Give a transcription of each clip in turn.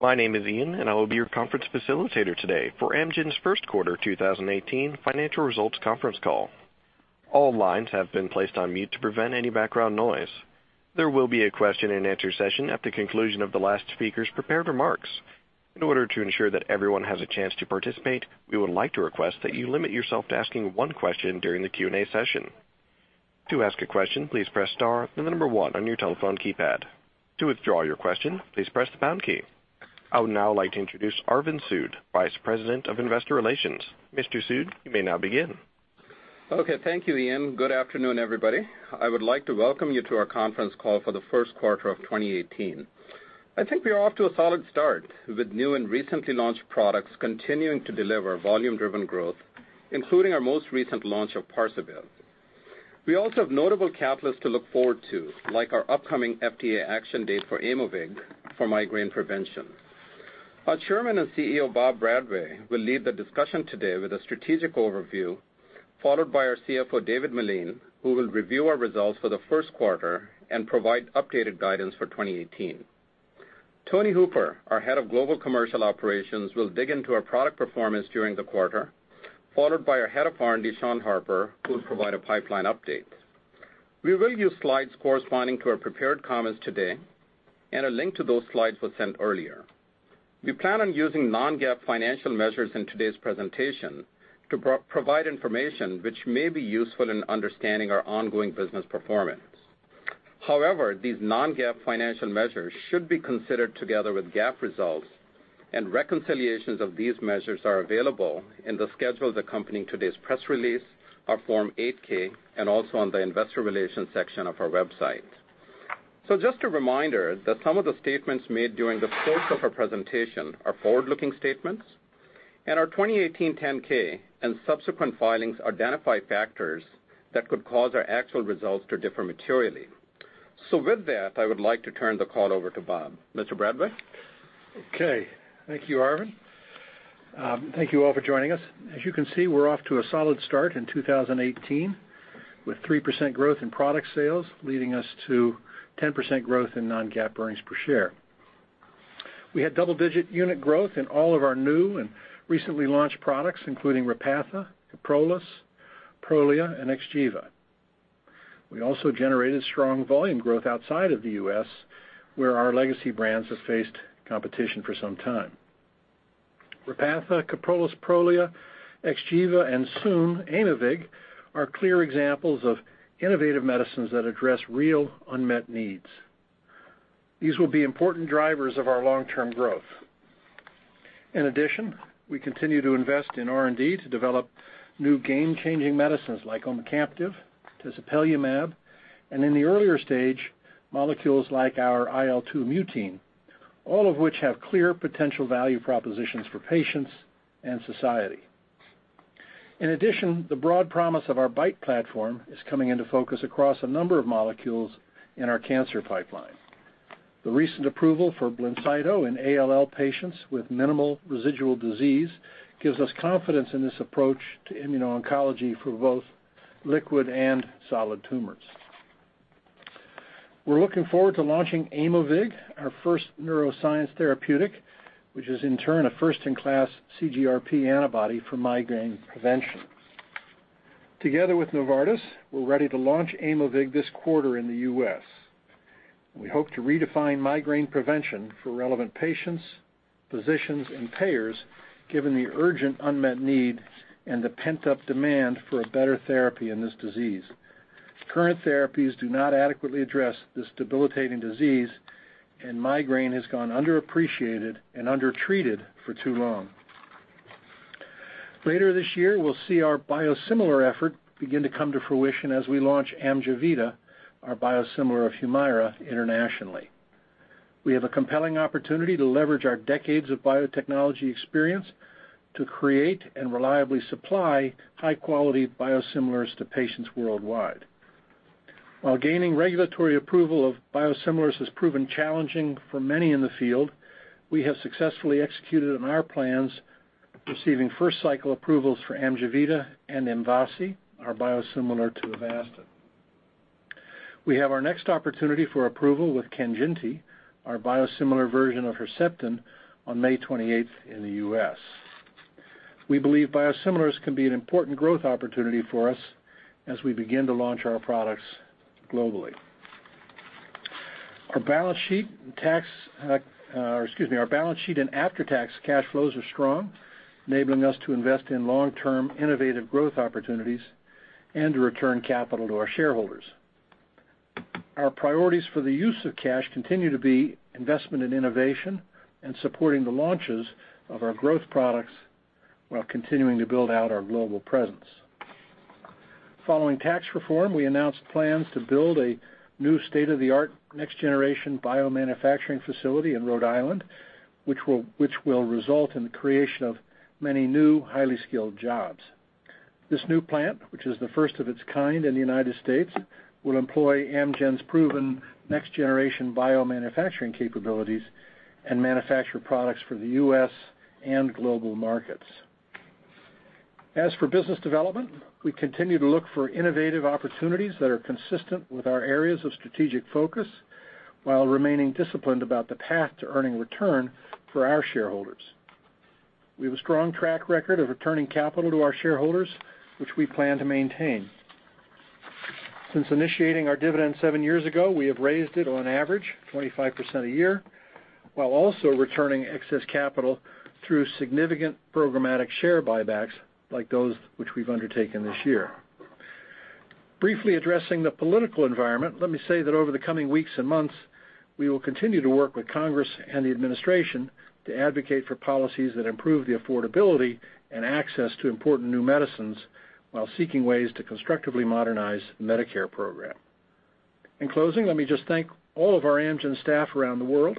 My name is Ian and I will be your conference facilitator today for Amgen's first quarter 2018 financial results conference call. All lines have been placed on mute to prevent any background noise. There will be a question and answer session at the conclusion of the last speaker's prepared remarks. In order to ensure that everyone has a chance to participate, we would like to request that you limit yourself to asking one question during the Q&A session. To ask a question, please press star, then the number one on your telephone keypad. To withdraw your question, please press the pound key. I would now like to introduce Arvind Sood, Vice President of Investor Relations. Mr. Sood, you may now begin. Thank you, Ian. Good afternoon, everybody. I would like to welcome you to our conference call for the first quarter of 2018. I think we are off to a solid start with new and recently launched products continuing to deliver volume-driven growth, including our most recent launch of Parsabiv. We also have notable catalysts to look forward to, like our upcoming FDA action date for Aimovig for migraine prevention. Our Chairman and CEO, Bob Bradway, will lead the discussion today with a strategic overview, followed by our CFO, David Meline, who will review our results for the first quarter and provide updated guidance for 2018. Tony Hooper, our Head of Global Commercial Operations, will dig into our product performance during the quarter, followed by our Head of R&D, Sean Harper, who will provide a pipeline update. We will use slides corresponding to our prepared comments today, a link to those slides was sent earlier. We plan on using non-GAAP financial measures in today's presentation to provide information which may be useful in understanding our ongoing business performance. These non-GAAP financial measures should be considered together with GAAP results, and reconciliations of these measures are available in the schedules accompanying today's press release, our Form 8-K, and also on the investor relations section of our website. Just a reminder that some of the statements made during the course of our presentation are forward-looking statements, and our 2018 Form 10-K and subsequent filings identify factors that could cause our actual results to differ materially. With that, I would like to turn the call over to Bob. Mr. Bradway? Thank you, Arvind. Thank you all for joining us. As you can see, we're off to a solid start in 2018, with 3% growth in product sales leading us to 10% growth in non-GAAP earnings per share. We had double-digit unit growth in all of our new and recently launched products, including Repatha, Kyprolis, Prolia, and XGEVA. We also generated strong volume growth outside of the U.S., where our legacy brands have faced competition for some time. Repatha, Kyprolis, Prolia, XGEVA, and soon Aimovig are clear examples of innovative medicines that address real unmet needs. These will be important drivers of our long-term growth. In addition, we continue to invest in R&D to develop new game-changing medicines like omecamtiv, tezepelumab, and in the earlier stage, molecules like our IL-2 mutein, all of which have clear potential value propositions for patients and society. In addition, the broad promise of our BiTE platform is coming into focus across a number of molecules in our cancer pipeline. The recent approval for BLINCYTO in ALL patients with minimal residual disease gives us confidence in this approach to immuno-oncology for both liquid and solid tumors. We're looking forward to launching Aimovig, our first neuroscience therapeutic, which is in turn a first-in-class CGRP antibody for migraine prevention. Together with Novartis, we're ready to launch Aimovig this quarter in the U.S., and we hope to redefine migraine prevention for relevant patients, physicians, and payers, given the urgent unmet need and the pent-up demand for a better therapy in this disease. Current therapies do not adequately address this debilitating disease, and migraine has gone underappreciated and undertreated for too long. Later this year, we'll see our biosimilar effort begin to come to fruition as we launch AMJEVITA, our biosimilar of HUMIRA, internationally. We have a compelling opportunity to leverage our decades of biotechnology experience to create and reliably supply high-quality biosimilars to patients worldwide. While gaining regulatory approval of biosimilars has proven challenging for many in the field, we have successfully executed on our plans, receiving first-cycle approvals for AMJEVITA and MVASI, our biosimilar to Avastin. We have our next opportunity for approval with KANJINTI, our biosimilar version of Herceptin, on May 28th in the U.S. We believe biosimilars can be an important growth opportunity for us as we begin to launch our products globally. Our balance sheet and after-tax cash flows are strong, enabling us to invest in long-term innovative growth opportunities and to return capital to our shareholders. Our priorities for the use of cash continue to be investment in innovation and supporting the launches of our growth products while continuing to build out our global presence. Following tax reform, we announced plans to build a new state-of-the-art, next-generation biomanufacturing facility in Rhode Island, which will result in the creation of many new highly skilled jobs. This new plant, which is the first of its kind in the United States, will employ Amgen's proven next-generation biomanufacturing capabilities and manufacture products for the U.S. and global markets. As for business development, we continue to look for innovative opportunities that are consistent with our areas of strategic focus, while remaining disciplined about the path to earning return for our shareholders. We have a strong track record of returning capital to our shareholders, which we plan to maintain. Since initiating our dividend seven years ago, we have raised it on average 25% a year, while also returning excess capital through significant programmatic share buybacks like those which we've undertaken this year. Briefly addressing the political environment, let me say that over the coming weeks and months, we will continue to work with Congress and the administration to advocate for policies that improve the affordability and access to important new medicines while seeking ways to constructively modernize Medicare program. In closing, let me just thank all of our Amgen staff around the world.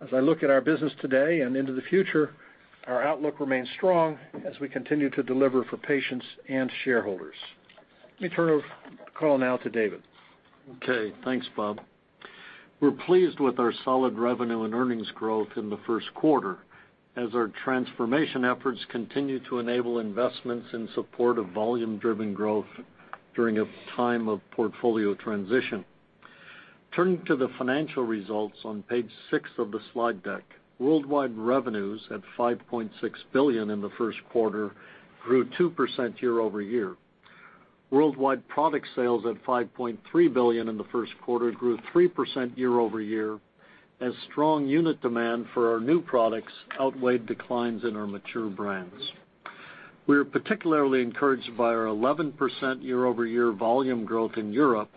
As I look at our business today and into the future, our outlook remains strong as we continue to deliver for patients and shareholders. Let me turn the call now to David. Okay, thanks, Bob. We're pleased with our solid revenue and earnings growth in the first quarter as our transformation efforts continue to enable investments in support of volume-driven growth during a time of portfolio transition. Turning to the financial results on page six of the slide deck. Worldwide revenues at $5.6 billion in the first quarter grew 2% year-over-year. Worldwide product sales at $5.3 billion in the first quarter grew 3% year-over-year, as strong unit demand for our new products outweighed declines in our mature brands. We are particularly encouraged by our 11% year-over-year volume growth in Europe,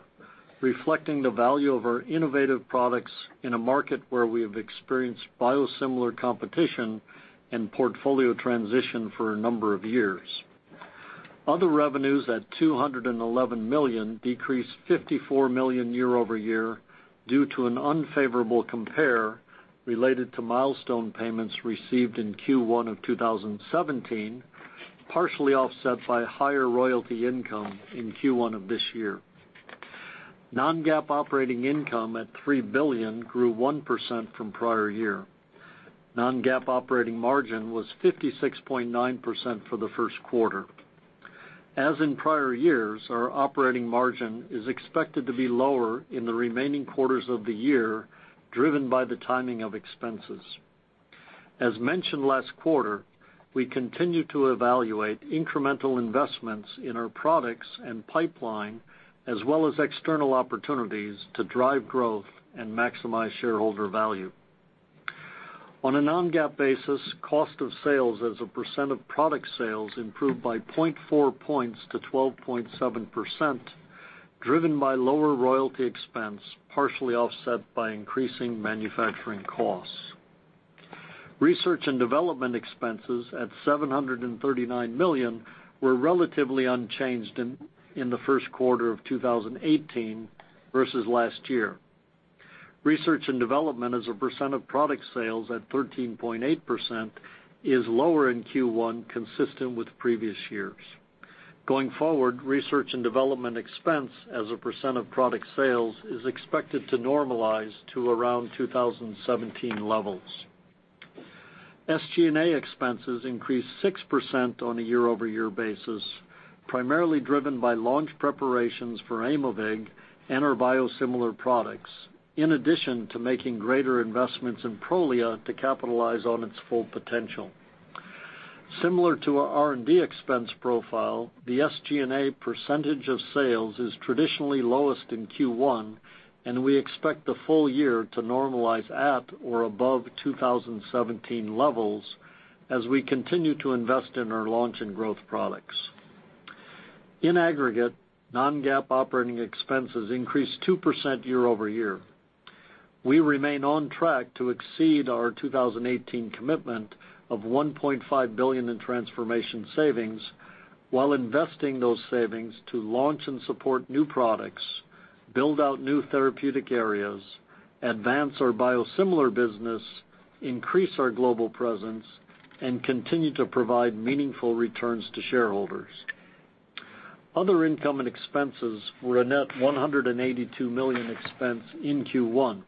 reflecting the value of our innovative products in a market where we have experienced biosimilar competition and portfolio transition for a number of years. Other revenues at $211 million decreased $54 million year-over-year due to an unfavorable compare related to milestone payments received in Q1 of 2017, partially offset by higher royalty income in Q1 of this year. Non-GAAP operating income at $3 billion grew 1% from prior year. Non-GAAP operating margin was 56.9% for the first quarter. As in prior years, our operating margin is expected to be lower in the remaining quarters of the year, driven by the timing of expenses. As mentioned last quarter, we continue to evaluate incremental investments in our products and pipeline, as well as external opportunities to drive growth and maximize shareholder value. On a non-GAAP basis, cost of sales as a percent of product sales improved by 0.4 points to 12.7%, driven by lower royalty expense, partially offset by increasing manufacturing costs. Research and development expenses at $739 million were relatively unchanged in the first quarter of 2018 versus last year. Research and development as a percent of product sales at 13.8% is lower in Q1, consistent with previous years. Going forward, research and development expense as a percent of product sales is expected to normalize to around 2017 levels. SG&A expenses increased 6% on a year-over-year basis, primarily driven by launch preparations for Aimovig and our biosimilar products, in addition to making greater investments in Prolia to capitalize on its full potential. Similar to our R&D expense profile, the SG&A percentage of sales is traditionally lowest in Q1, and we expect the full year to normalize at or above 2017 levels as we continue to invest in our launch and growth products. In aggregate, non-GAAP operating expenses increased 2% year-over-year. We remain on track to exceed our 2018 commitment of $1.5 billion in transformation savings while investing those savings to launch and support new products, build out new therapeutic areas, advance our biosimilar business, increase our global presence, and continue to provide meaningful returns to shareholders. Other income and expenses were a net $182 million expense in Q1.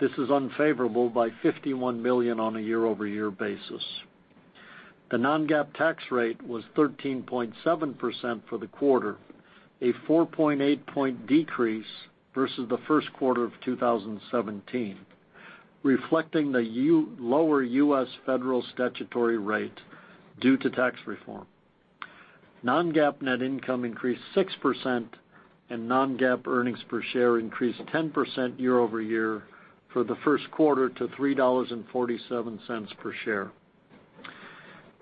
This is unfavorable by $51 million on a year-over-year basis. The non-GAAP tax rate was 13.7% for the quarter, a 4.8 point decrease versus the first quarter of 2017, reflecting the lower U.S. federal statutory rate due to tax reform. Non-GAAP net income increased 6%, and non-GAAP earnings per share increased 10% year-over-year for the first quarter to $3.47 per share.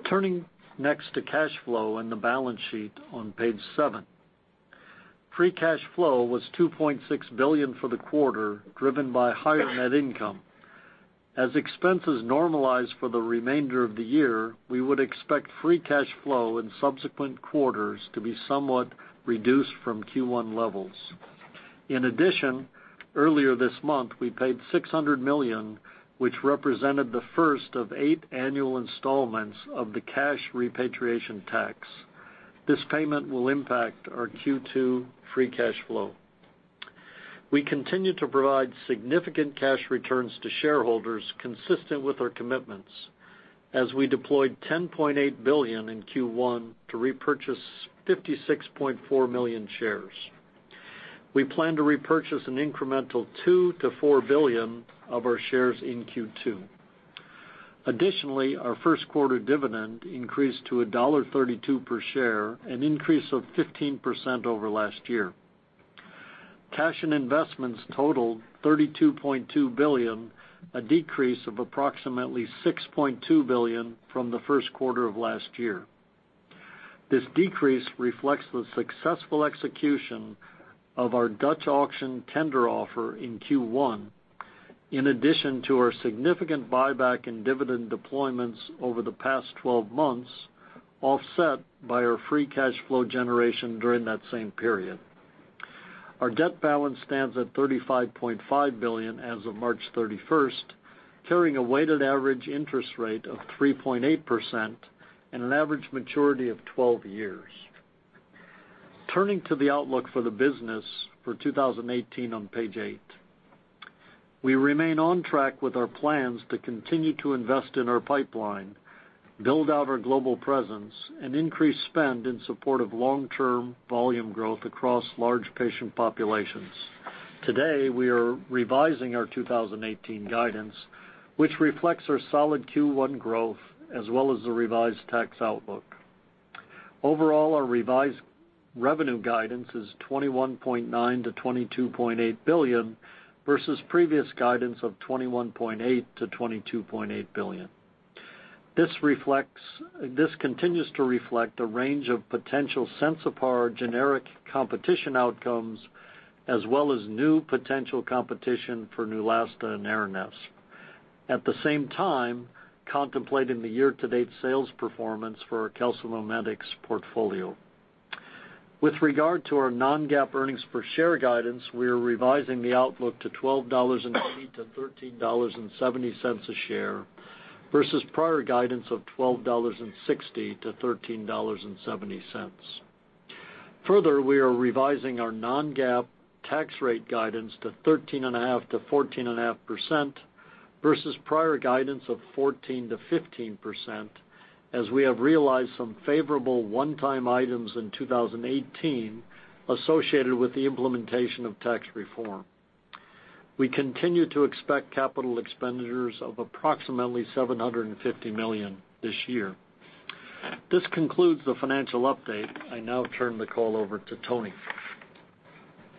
Turning next to cash flow and the balance sheet on page seven. Free cash flow was $2.6 billion for the quarter, driven by higher net income. As expenses normalize for the remainder of the year, we would expect free cash flow in subsequent quarters to be somewhat reduced from Q1 levels. Earlier this month, we paid $600 million, which represented the first of eight annual installments of the cash repatriation tax. This payment will impact our Q2 free cash flow. We continue to provide significant cash returns to shareholders consistent with our commitments as we deployed $10.8 billion in Q1 to repurchase 56.4 million shares. We plan to repurchase an incremental $2 billion-$4 billion of our shares in Q2. Our first quarter dividend increased to $1.32 per share, an increase of 15% over last year. Cash and investments totaled $32.2 billion, a decrease of approximately $6.2 billion from the first quarter of last year. This decrease reflects the successful execution of our Dutch auction tender offer in Q1, in addition to our significant buyback in dividend deployments over the past 12 months, offset by our free cash flow generation during that same period. Our debt balance stands at $35.5 billion as of March 31st, carrying a weighted average interest rate of 3.8% and an average maturity of 12 years. Turning to the outlook for the business for 2018 on page eight. We remain on track with our plans to continue to invest in our pipeline, build out our global presence, and increase spend in support of long-term volume growth across large patient populations. Today, we are revising our 2018 guidance, which reflects our solid Q1 growth as well as the revised tax outlook. Overall, our revised revenue guidance is $21.9 billion-$22.8 billion versus previous guidance of $21.8 billion-$22.8 billion. This continues to reflect a range of potential Sensipar generic competition outcomes, as well as new potential competition for Neulasta and ARANESP. Contemplating the year-to-date sales performance for our calcimimetics portfolio. With regard to our non-GAAP earnings per share guidance, we're revising the outlook to $12.80-$13.70 a share, versus prior guidance of $12.60-$13.70. We are revising our non-GAAP tax rate guidance to 13.5%-14.5%, versus prior guidance of 14%-15%, as we have realized some favorable one-time items in 2018 associated with the implementation of tax reform. We continue to expect capital expenditures of approximately $750 million this year. This concludes the financial update. I now turn the call over to Tony.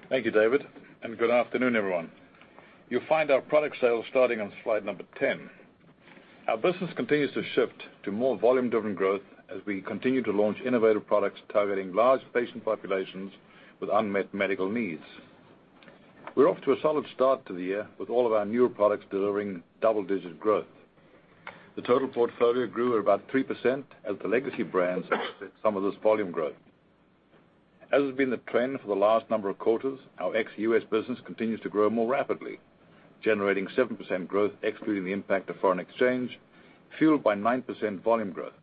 Thank you, David, and good afternoon, everyone. You'll find our product sales starting on slide number 10. Our business continues to shift to more volume-driven growth as we continue to launch innovative products targeting large patient populations with unmet medical needs. We're off to a solid start to the year with all of our newer products delivering double-digit growth. The total portfolio grew at about 3% as the legacy brands offset some of this volume growth. As has been the trend for the last number of quarters, our ex-U.S. business continues to grow more rapidly, generating 7% growth, excluding the impact of foreign exchange, fueled by 9% volume growth.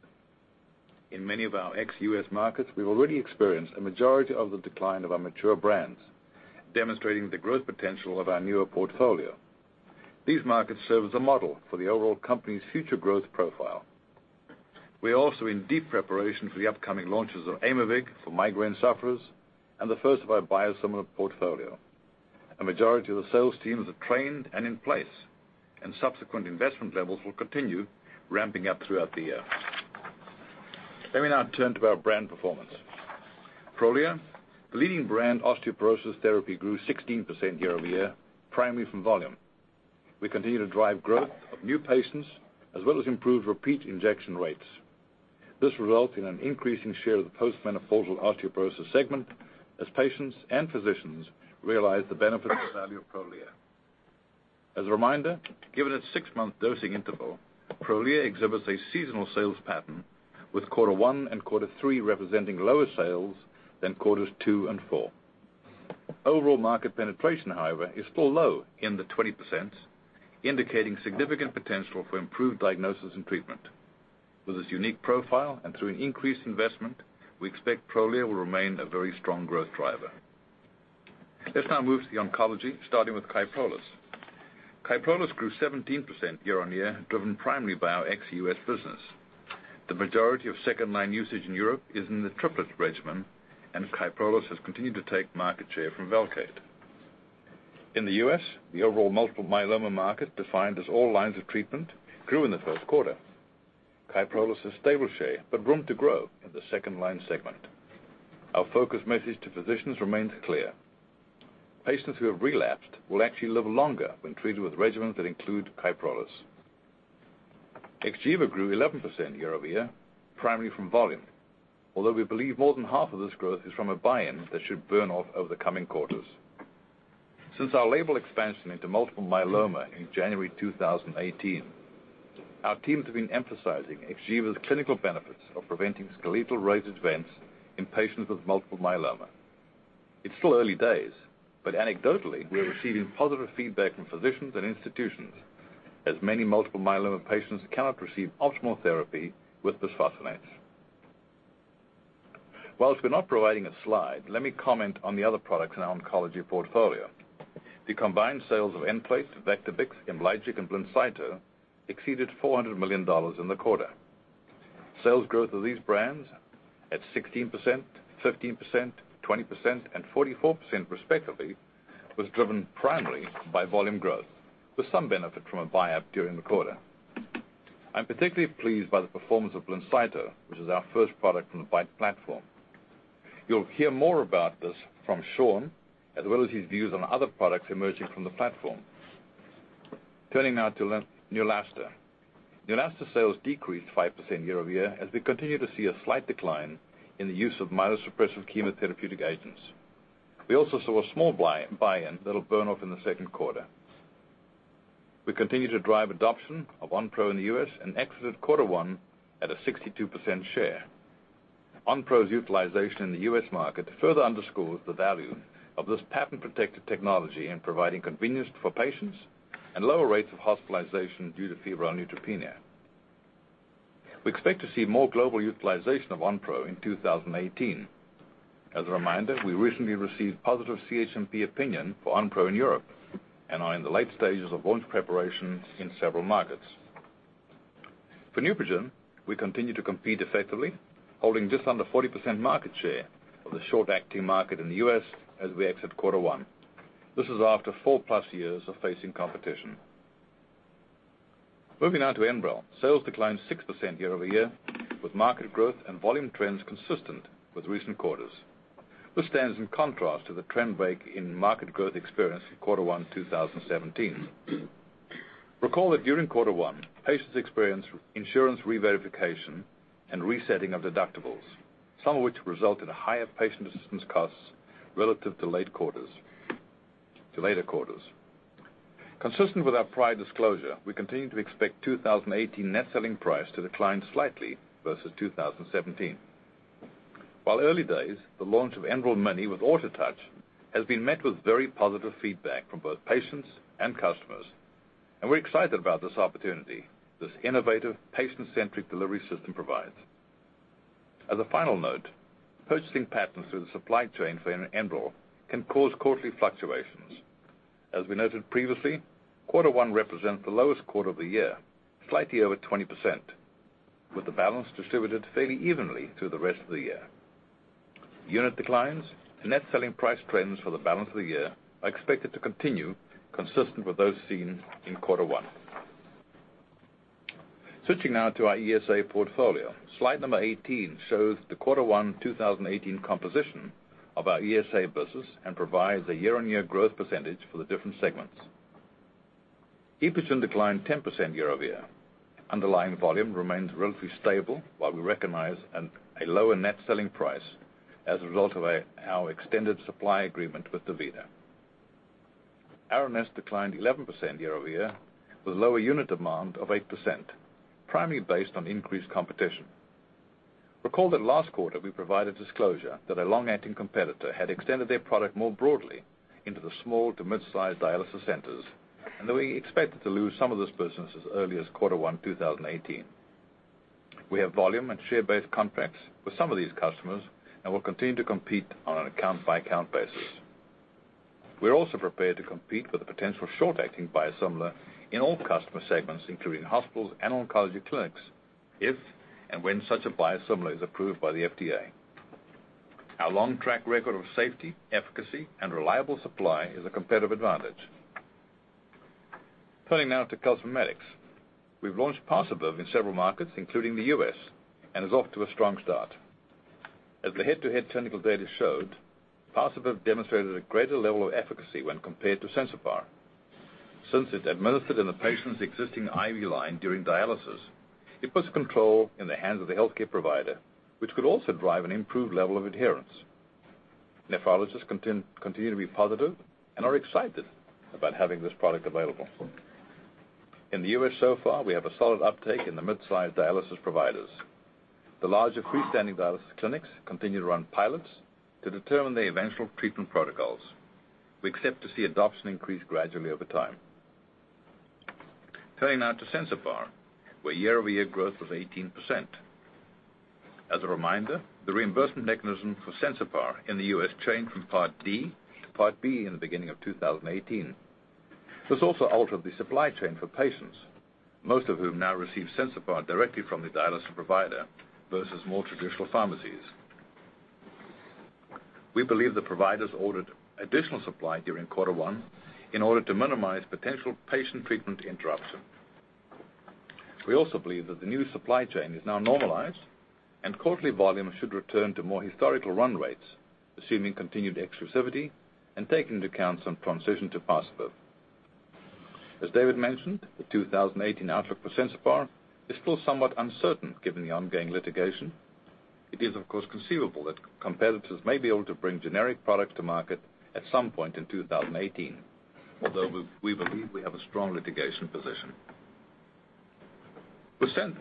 In many of our ex-U.S. markets, we've already experienced a majority of the decline of our mature brands, demonstrating the growth potential of our newer portfolio. These markets serve as a model for the overall company's future growth profile. We are also in deep preparation for the upcoming launches of Aimovig for migraine sufferers and the first of our biosimilar portfolio. A majority of the sales teams are trained and in place, and subsequent investment levels will continue ramping up throughout the year. Let me now turn to our brand performance. Prolia, the leading brand osteoporosis therapy, grew 16% year-over-year, primarily from volume. We continue to drive growth of new patients, as well as improve repeat injection rates. This results in an increasing share of the post-menopausal osteoporosis segment as patients and physicians realize the benefits and value of Prolia. As a reminder, given its six-month dosing interval, Prolia exhibits a seasonal sales pattern, with quarter 1 and quarter 3 representing lower sales than quarters 2 and 4. Overall market penetration, however, is still low, in the 20%, indicating significant potential for improved diagnosis and treatment. With this unique profile and through an increased investment, we expect Prolia will remain a very strong growth driver. Let's now move to the oncology, starting with KYPROLIS. KYPROLIS grew 17% year-on-year, driven primarily by our ex-U.S. business. The majority of second-line usage in Europe is in the triplet regimen, and KYPROLIS has continued to take market share from VELCADE. In the U.S., the overall multiple myeloma market, defined as all lines of treatment, grew in the first quarter. KYPROLIS has stable share but room to grow in the second line segment. Our focus message to physicians remains clear. Patients who have relapsed will actually live longer when treated with regimens that include KYPROLIS. XGEVA grew 11% year-over-year, primarily from volume. Although we believe more than half of this growth is from a buy-in that should burn off over the coming quarters. Since our label expansion into multiple myeloma in January 2018, our teams have been emphasizing XGEVA's clinical benefits of preventing skeletal-related events in patients with multiple myeloma. It's still early days, but anecdotally, we are receiving positive feedback from physicians and institutions as many multiple myeloma patients cannot receive optimal therapy with bisphosphonates. Whilst we're not providing a slide, let me comment on the other products in our oncology portfolio. The combined sales of Nplate, Vectibix, IMLYGIC, and BLINCYTO exceeded $400 million in the quarter. Sales growth of these brands at 16%, 15%, 20%, and 44% respectively, was driven primarily by volume growth with some benefit from a buy-up during the quarter. I'm particularly pleased by the performance of BLINCYTO, which is our first product from the BiTE platform. You'll hear more about this from Sean, as well as his views on other products emerging from the platform. Turning now to Neulasta. Neulasta sales decreased 5% year-over-year as we continue to see a slight decline in the use of myelosuppressive chemotherapeutic agents. We also saw a small buy-in that'll burn off in the second quarter. We continue to drive adoption of Onpro in the U.S. and exited quarter 1 at a 62% share. Onpro's utilization in the U.S. market further underscores the value of this patent-protected technology in providing convenience for patients and lower rates of hospitalization due to febrile neutropenia. We expect to see more global utilization of Onpro in 2018. As a reminder, we recently received positive CHMP opinion for Onpro in Europe and are in the late stages of launch preparation in several markets. For NEUPOGEN, we continue to compete effectively, holding just under 40% market share of the short-acting market in the U.S. as we exit quarter 1. This is after four-plus years of facing competition. Moving on to ENBREL. Sales declined 6% year-over-year with market growth and volume trends consistent with recent quarters. This stands in contrast to the trend break in market growth experienced in quarter one 2017. Recall that during quarter one, patients experienced insurance reverification and resetting of deductibles, some of which result in higher patient assistance costs relative to later quarters. Consistent with our prior disclosure, we continue to expect 2018 net selling price to decline slightly versus 2017. While early days, the launch of ENBREL Mini with AutoTouch has been met with very positive feedback from both patients and customers, and we're excited about this opportunity this innovative patient-centric delivery system provides. As a final note, purchasing patterns through the supply chain for ENBREL can cause quarterly fluctuations. As we noted previously, quarter one represents the lowest quarter of the year, slightly over 20%, with the balance distributed fairly evenly through the rest of the year. Unit declines and net selling price trends for the balance of the year are expected to continue consistent with those seen in quarter one. Switching now to our ESA portfolio. Slide number 18 shows the quarter one 2018 composition of our ESA business and provides a year-on-year growth percentage for the different segments. EPOGEN declined 10% year-over-year. Underlying volume remains relatively stable while we recognize a lower net selling price as a result of our extended supply agreement with DaVita. ARANESP declined 11% year-over-year with lower unit demand of 8%, primarily based on increased competition. Recall that last quarter we provided disclosure that a long-acting competitor had extended their product more broadly into the small to midsize dialysis centers, and that we expected to lose some of this business as early as quarter one 2018. We have volume and share-based contracts with some of these customers and will continue to compete on an account-by-account basis. We are also prepared to compete with a potential short-acting biosimilar in all customer segments, including hospitals and oncology clinics, if and when such a biosimilar is approved by the FDA. Our long track record of safety, efficacy, and reliable supply is a competitive advantage. Turning now to calcimimetics. We've launched Parsabiv in several markets, including the U.S., and is off to a strong start. As the head-to-head technical data showed, Parsabiv demonstrated a greater level of efficacy when compared to Sensipar. Since it's administered in the patient's existing IV line during dialysis, it puts control in the hands of the healthcare provider, which could also drive an improved level of adherence. Nephrologists continue to be positive and are excited about having this product available. In the U.S. so far, we have a solid uptake in the midsize dialysis providers. The larger freestanding dialysis clinics continue to run pilots to determine the eventual treatment protocols. We expect to see adoption increase gradually over time. Turning now to Sensipar, where year-over-year growth was 18%. As a reminder, the reimbursement mechanism for Sensipar in the U.S. changed from Part D to Part B in the beginning of 2018. This also altered the supply chain for patients, most of whom now receive Sensipar directly from the dialysis provider versus more traditional pharmacies. We believe the providers ordered additional supply during quarter one in order to minimize potential patient treatment interruption. We also believe that the new supply chain is now normalized and quarterly volume should return to more historical run rates, assuming continued exclusivity and taking into account some transition to Parsabiv. As David mentioned, the 2018 outlook for Sensipar is still somewhat uncertain given the ongoing litigation. It is, of course, conceivable that competitors may be able to bring generic product to market at some point in 2018, although we believe we have a strong litigation position.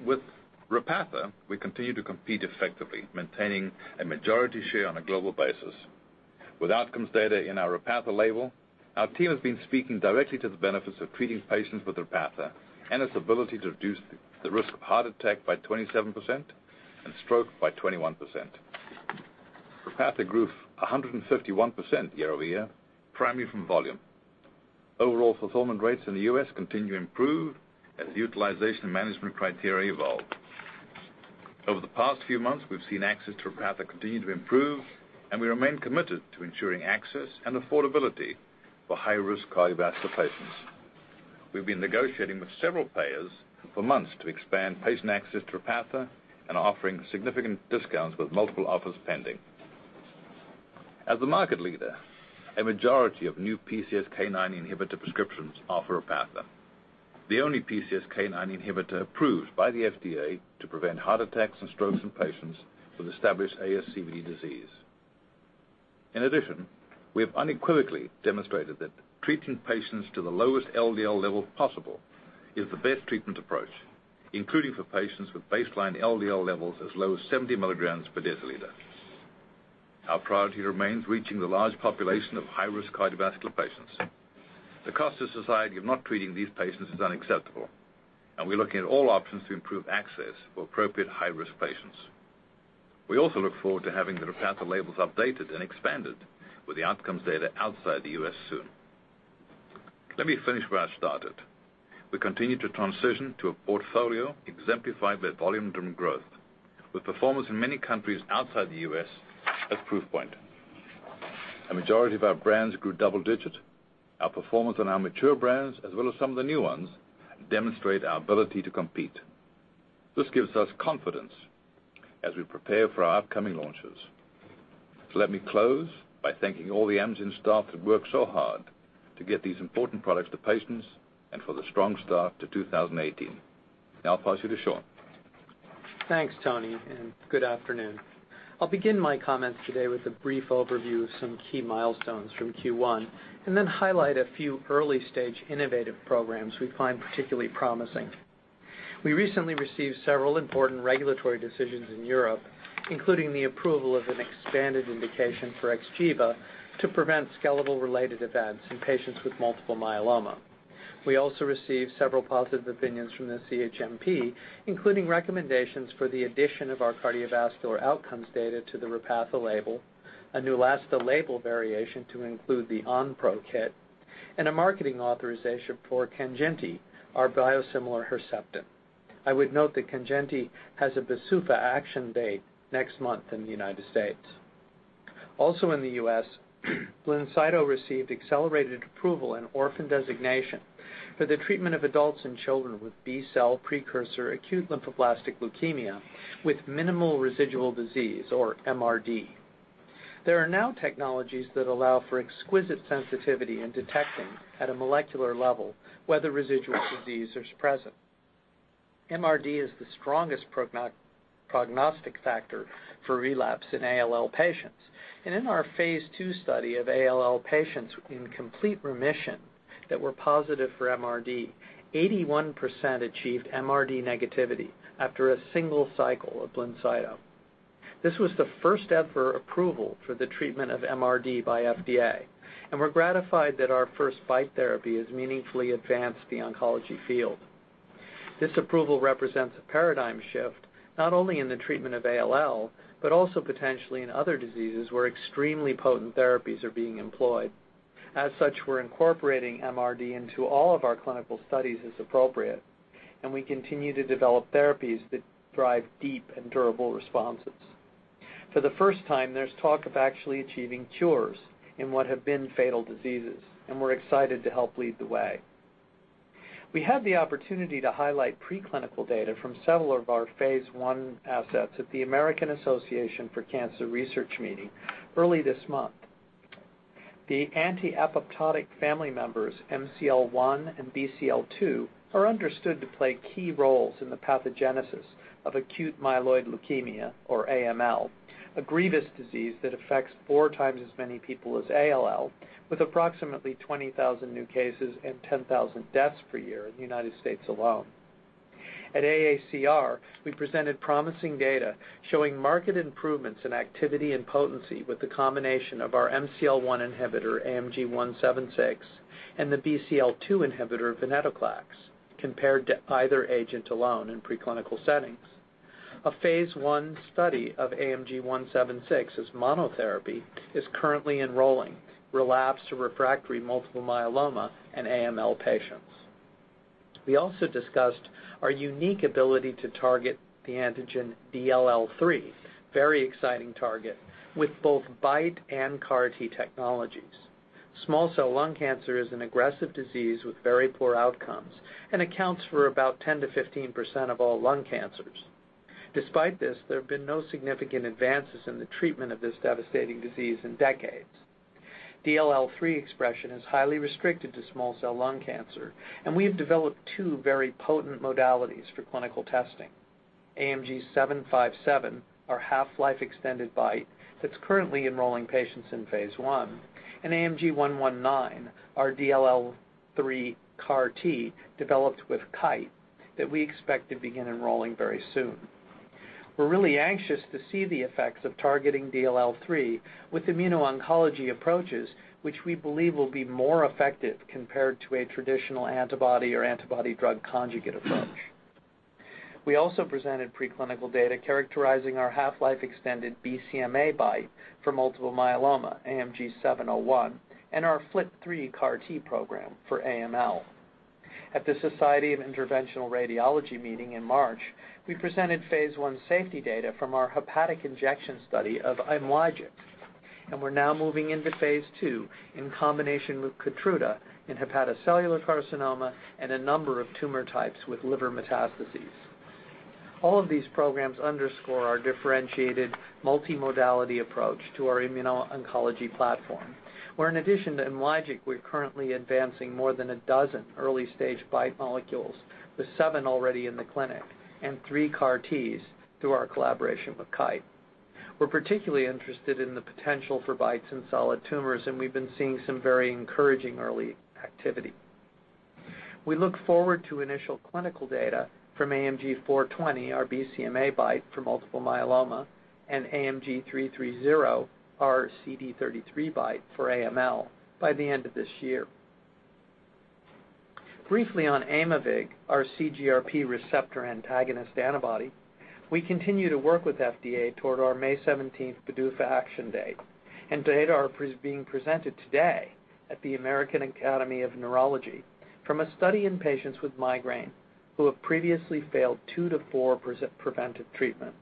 With Repatha, we continue to compete effectively, maintaining a majority share on a global basis. With outcomes data in our Repatha label, our team has been speaking directly to the benefits of treating patients with Repatha and its ability to reduce the risk of heart attack by 27% and stroke by 21%. Repatha grew 151% year-over-year, primarily from volume. Overall fulfillment rates in the U.S. continue to improve as utilization management criteria evolve. Over the past few months, we've seen access to Repatha continue to improve, and we remain committed to ensuring access and affordability for high-risk cardiovascular patients. We've been negotiating with several payers for months to expand patient access to Repatha and are offering significant discounts with multiple offers pending. As the market leader, a majority of new PCSK9 inhibitor prescriptions are for Repatha, the only PCSK9 inhibitor approved by the FDA to prevent heart attacks and strokes in patients with established ASCVD disease. In addition, we have unequivocally demonstrated that treating patients to the lowest LDL level possible is the best treatment approach, including for patients with baseline LDL levels as low as 70 milligrams per deciliter. Our priority remains reaching the large population of high-risk cardiovascular patients. The cost to society of not treating these patients is unacceptable, and we're looking at all options to improve access for appropriate high-risk patients. We also look forward to having the Repatha labels updated and expanded with the outcomes data outside the U.S. soon. Let me finish where I started. We continue to transition to a portfolio exemplified by volume-driven growth, with performance in many countries outside the U.S. as proof point. A majority of our brands grew double digits. Our performance on our mature brands, as well as some of the new ones, demonstrate our ability to compete. This gives us confidence as we prepare for our upcoming launches. Let me close by thanking all the Amgen staff that worked so hard to get these important products to patients and for the strong start to 2018. Now I'll pass you to Sean. Thanks, Tony, and good afternoon. I'll begin my comments today with a brief overview of some key milestones from Q1 and then highlight a few early-stage innovative programs we find particularly promising. We recently received several important regulatory decisions in Europe, including the approval of an expanded indication for XGEVA to prevent skeletal-related events in patients with multiple myeloma. We also received several positive opinions from the CHMP, including recommendations for the addition of our cardiovascular outcomes data to the Repatha label, a Neulasta label variation to include the Onpro kit, and a marketing authorization for KANJINTI, our biosimilar Herceptin. I would note that KANJINTI has a PDUFA action date next month in the United States. Also in the U.S., BLINCYTO received accelerated approval and orphan designation for the treatment of adults and children with B-cell precursor acute lymphoblastic leukemia with minimal residual disease, or MRD. There are now technologies that allow for exquisite sensitivity in detecting at a molecular level whether residual disease is present. MRD is the strongest prognostic factor for relapse in ALL patients. In our phase II study of ALL patients in complete remission that were positive for MRD, 81% achieved MRD negativity after a single cycle of BLINCYTO. This was the first-ever approval for the treatment of MRD by FDA, and we're gratified that our first BiTE therapy has meaningfully advanced the oncology field. This approval represents a paradigm shift not only in the treatment of ALL, but also potentially in other diseases where extremely potent therapies are being employed. As such, we're incorporating MRD into all of our clinical studies as appropriate, and we continue to develop therapies that drive deep and durable responses. For the first time, there's talk of actually achieving cures in what have been fatal diseases, and we're excited to help lead the way. We had the opportunity to highlight preclinical data from several of our phase I assets at the American Association for Cancer Research meeting early this month. The anti-apoptotic family members MCL1 and BCL2 are understood to play key roles in the pathogenesis of acute myeloid leukemia or AML, a grievous disease that affects four times as many people as ALL with approximately 20,000 new cases and 10,000 deaths per year in the U.S. alone. At AACR, we presented promising data showing marked improvements in activity and potency with the combination of our MCL1 inhibitor AMG 176 and the BCL2 inhibitor venetoclax, compared to either agent alone in preclinical settings. A phase I study of AMG 176 as monotherapy is currently enrolling relapsed or refractory multiple myeloma in AML patients. We also discussed our unique ability to target the antigen DLL3, very exciting target, with both BiTE and CAR T technologies. Small cell lung cancer is an aggressive disease with very poor outcomes and accounts for about 10%-15% of all lung cancers. Despite this, there have been no significant advances in the treatment of this devastating disease in decades. DLL3 expression is highly restricted to small cell lung cancer, and we have developed two very potent modalities for clinical testing. AMG 757, our half-life extended BiTE that's currently enrolling patients in phase I, and AMG 119, our DLL3 CAR T developed with Kite that we expect to begin enrolling very soon. We're really anxious to see the effects of targeting DLL3 with immuno-oncology approaches, which we believe will be more effective compared to a traditional antibody or antibody drug conjugate approach. We also presented preclinical data characterizing our half-life extended BCMA BiTE for multiple myeloma, AMG 701, and our FLT3 CAR T program for AML. At the Society of Interventional Radiology meeting in March, we presented phase I safety data from our hepatic injection study of IMLYGIC, and we're now moving into phase II in combination with KEYTRUDA in hepatocellular carcinoma and a number of tumor types with liver metastases. All of these programs underscore our differentiated multimodality approach to our immuno-oncology platform, where in addition to IMLYGIC, we're currently advancing more than a dozen early-stage BiTE molecules with seven already in the clinic and three CAR Ts through our collaboration with Kite. We're particularly interested in the potential for BiTEs in solid tumors. We've been seeing some very encouraging early activity. We look forward to initial clinical data from AMG 420, our BCMA BiTE for multiple myeloma, and AMG 330, our CD33 BiTE for AML by the end of this year. Briefly on Aimovig, our CGRP receptor antagonist antibody, we continue to work with FDA toward our May 17th PDUFA action date. Data are being presented today at the American Academy of Neurology from a study in patients with migraine who have previously failed two to four preventive treatments.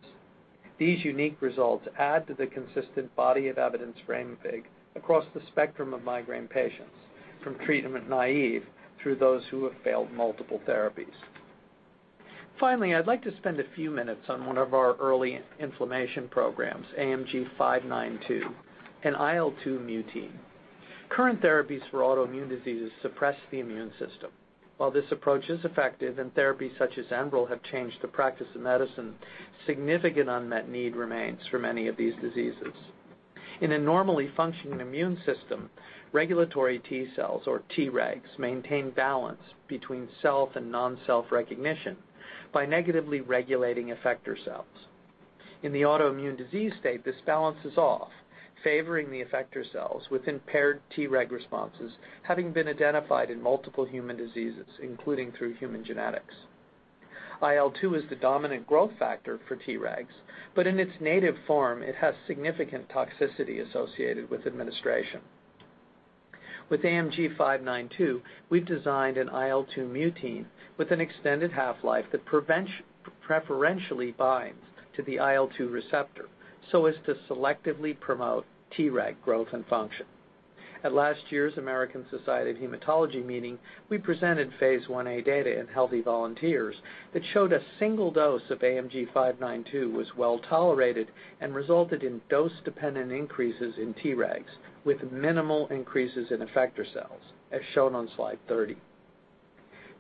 These unique results add to the consistent body of evidence for Aimovig across the spectrum of migraine patients, from treatment naive through those who have failed multiple therapies. Finally, I'd like to spend a few minutes on one of our early inflammation programs, AMG 592, an IL-2 mutein. Current therapies for autoimmune diseases suppress the immune system. While this approach is effective and therapies such as ENBREL have changed the practice of medicine, significant unmet need remains for many of these diseases. In a normally functioning immune system, regulatory T cells or Tregs maintain balance between self and non-self recognition by negatively regulating effector cells. In the autoimmune disease state, this balance is off, favoring the effector cells with impaired Treg responses having been identified in multiple human diseases, including through human genetics. IL-2 is the dominant growth factor for Tregs, but in its native form, it has significant toxicity associated with administration. With AMG 592, we've designed an IL-2 mutein with an extended half-life that preferentially binds to the IL-2 receptor so as to selectively promote Treg growth and function. At last year's American Society of Hematology meeting, we presented phase I-A data in healthy volunteers that showed a single dose of AMG 592 was well-tolerated and resulted in dose-dependent increases in Tregs with minimal increases in effector cells, as shown on slide 30.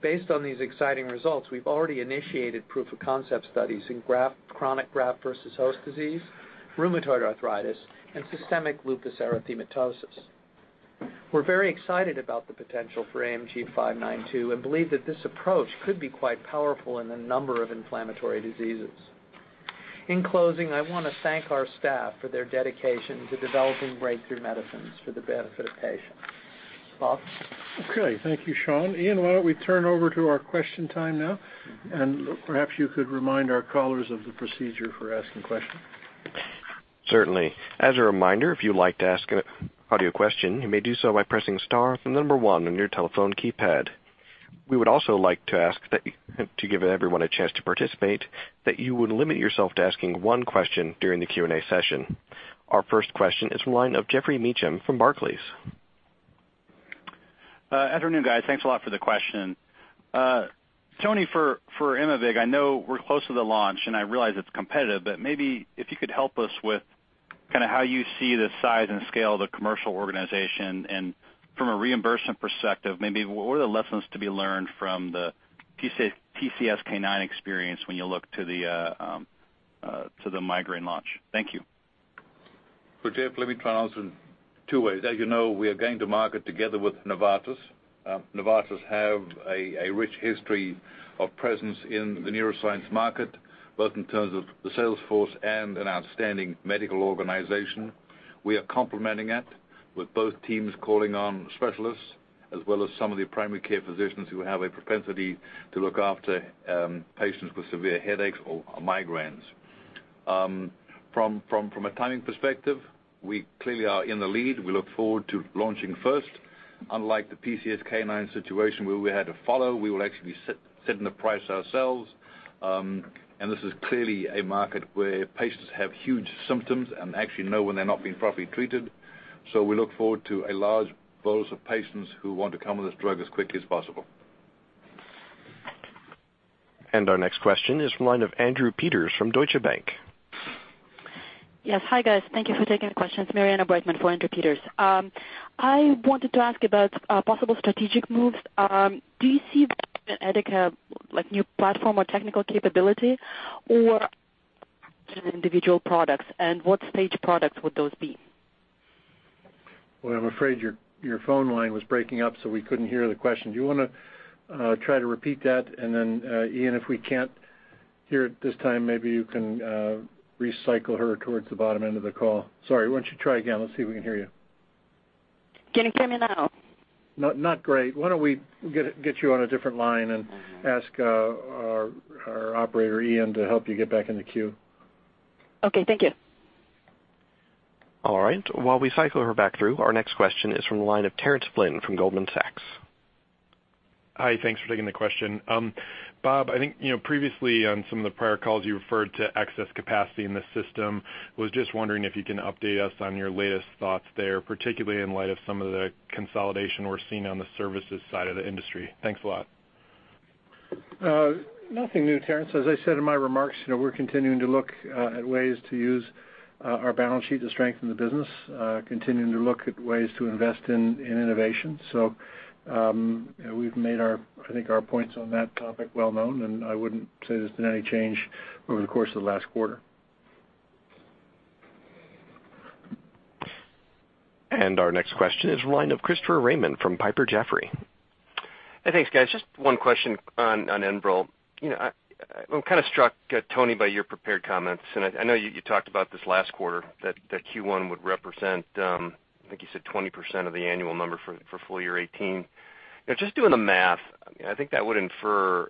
Based on these exciting results, we've already initiated proof-of-concept studies in chronic graft versus host disease, rheumatoid arthritis, and systemic lupus erythematosus. We're very excited about the potential for AMG 592 and believe that this approach could be quite powerful in a number of inflammatory diseases. In closing, I want to thank our staff for their dedication to developing breakthrough medicines for the benefit of patients. Bob? Okay. Thank you, Sean. Ian, why don't we turn over to our question time now? Perhaps you could remind our callers of the procedure for asking questions. Certainly. As a reminder, if you'd like to ask an audio question, you may do so by pressing star then the number one on your telephone keypad. We would also like to ask that to give everyone a chance to participate, that you would limit yourself to asking one question during the Q&A session. Our first question is from the line of Geoffrey Meacham from Barclays. Afternoon, guys. Thanks a lot for the question. Tony, for Aimovig, I know we're close to the launch. I realize it's competitive, but maybe if you could help us with how you see the size and scale of the commercial organization. From a reimbursement perspective, maybe what are the lessons to be learned from the PCSK9 experience when you look to the migraine launch? Thank you. Jeff, let me try and answer in two ways. As you know, we are going to market together with Novartis. Novartis have a rich history of presence in the neuroscience market, both in terms of the sales force and an outstanding medical organization. We are complementing it with both teams calling on specialists, as well as some of the primary care physicians who have a propensity to look after patients with severe headaches or migraines. From a timing perspective, we clearly are in the lead. We look forward to launching first. Unlike the PCSK9 situation where we had to follow, we will actually be setting the price ourselves. This is clearly a market where patients have huge symptoms and actually know when they're not being properly treated. We look forward to a large dose of patients who want to come on this drug as quickly as possible. Our next question is from the line of Andrew Peters from Deutsche Bank. Yes. Hi, guys. Thank you for taking the question. It is Mariana Breitman for Andrew Peters. I wanted to ask about possible strategic moves. Do you see like new platform or technical capability or individual products, what stage products would those be? Well, I am afraid your phone line was breaking up we couldn't hear the question. Do you want to try to repeat that? Then, Ian, if we cannot hear it this time, maybe you can recycle her towards the bottom end of the call. Sorry, why don't you try again? Let us see if we can hear you. Can you hear me now? Not great. Why don't we get you on a different line and ask our operator, Ian, to help you get back in the queue. Okay, thank you. All right. While we cycle her back through, our next question is from the line of Terence Flynn from Goldman Sachs. Hi, thanks for taking the question. Bob, I think previously on some of the prior calls, you referred to excess capacity in the system. Was just wondering if you can update us on your latest thoughts there, particularly in light of some of the consolidation we're seeing on the services side of the industry. Thanks a lot. Nothing new, Terence. As I said in my remarks, we're continuing to look at ways to use our balance sheet to strengthen the business, continuing to look at ways to invest in innovation. We've made, I think, our points on that topic well-known, and I wouldn't say there's been any change over the course of the last quarter. Our next question is from the line of Christopher Raymond from Piper Jaffray. Thanks, guys. Just one question on ENBREL. I'm kind of struck, Tony, by your prepared comments, I know you talked about this last quarter that Q1 would represent, I think you said 20% of the annual number for full year 2018. Just doing the math, I think that would infer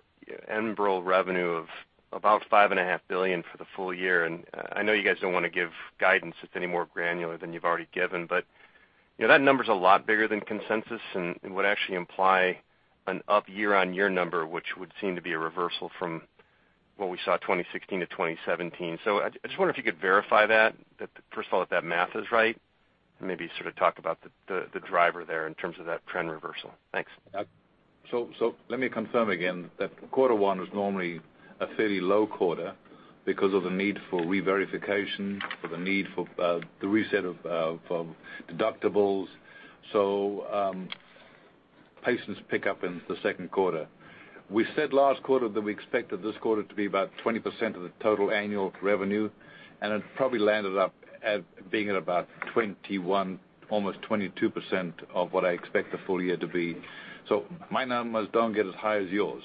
ENBREL revenue of about $5.5 billion for the full year. I know you guys don't want to give guidance that's any more granular than you've already given, but that number's a lot bigger than consensus and would actually imply an up year-on-year number, which would seem to be a reversal from what we saw 2016 to 2017. I just wonder if you could verify that, first of all, that math is right, and maybe sort of talk about the driver there in terms of that trend reversal. Thanks. Let me confirm again that quarter one is normally a fairly low quarter because of the need for reverification, for the need for the reset of deductibles. Patients pick up in the second quarter. We said last quarter that we expected this quarter to be about 20% of the total annual revenue, and it probably landed up at being at about 21%, almost 22% of what I expect the full year to be. My numbers don't get as high as yours.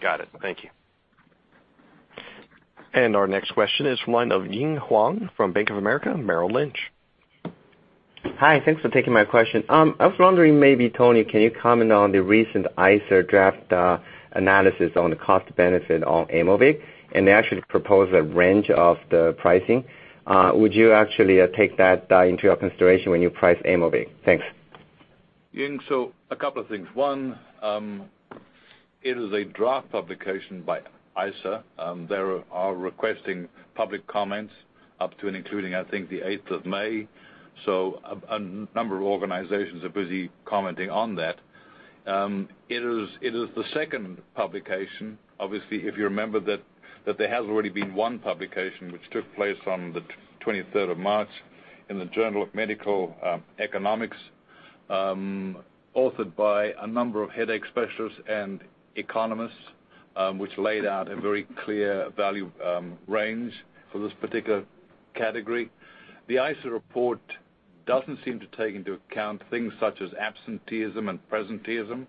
Got it. Thank you. Our next question is from the line of Ying Huang from Bank of America Merrill Lynch. Hi, thanks for taking my question. I was wondering maybe, Tony, can you comment on the recent ICER draft analysis on the cost benefit of Aimovig, they actually propose a range of the pricing. Would you actually take that into your consideration when you price Aimovig? Thanks. Ying, a couple of things. One, it is a draft publication by ICER. They are requesting public comments up to and including, I think, the 8th of May. A number of organizations are busy commenting on that. It is the second publication. Obviously, if you remember that there has already been one publication, which took place on the 23rd of March in the "Journal of Medical Economics" authored by a number of headache specialists and economists, which laid out a very clear value range for this particular category. The ICER report doesn't seem to take into account things such as absenteeism and presenteeism,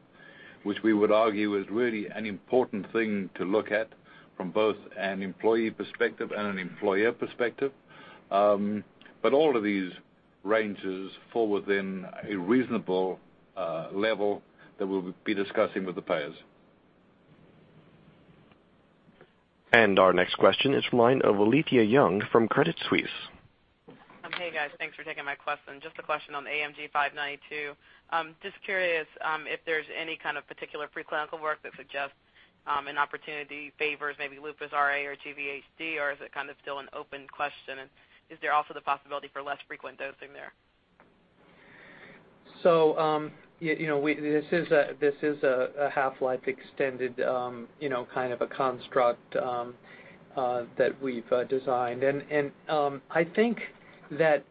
which we would argue is really an important thing to look at from both an employee perspective and an employer perspective. All of these ranges fall within a reasonable level that we'll be discussing with the payers. Our next question is from the line of Alethia Young from Credit Suisse. Hey, guys. Thanks for taking my question. Just a question on AMG 592. Just curious if there's any kind of particular preclinical work that suggests an opportunity favors maybe lupus RA or GVHD, or is it kind of still an open question? Is there also the possibility for less frequent dosing there? This is a half-life extended kind of a construct that we've designed. I think that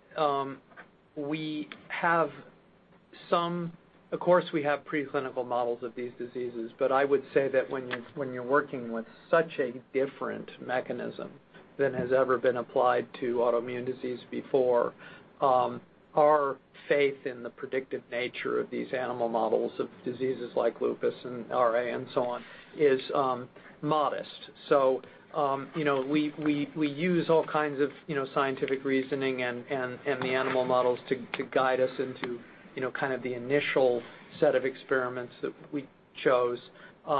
of course, we have preclinical models of these diseases. I would say that when you're working with such a different mechanism than has ever been applied to autoimmune disease before, our faith in the predictive nature of these animal models of diseases like lupus and RA and so on is modest. We use all kinds of scientific reasoning and the animal models to guide us into kind of the initial set of experiments that we chose.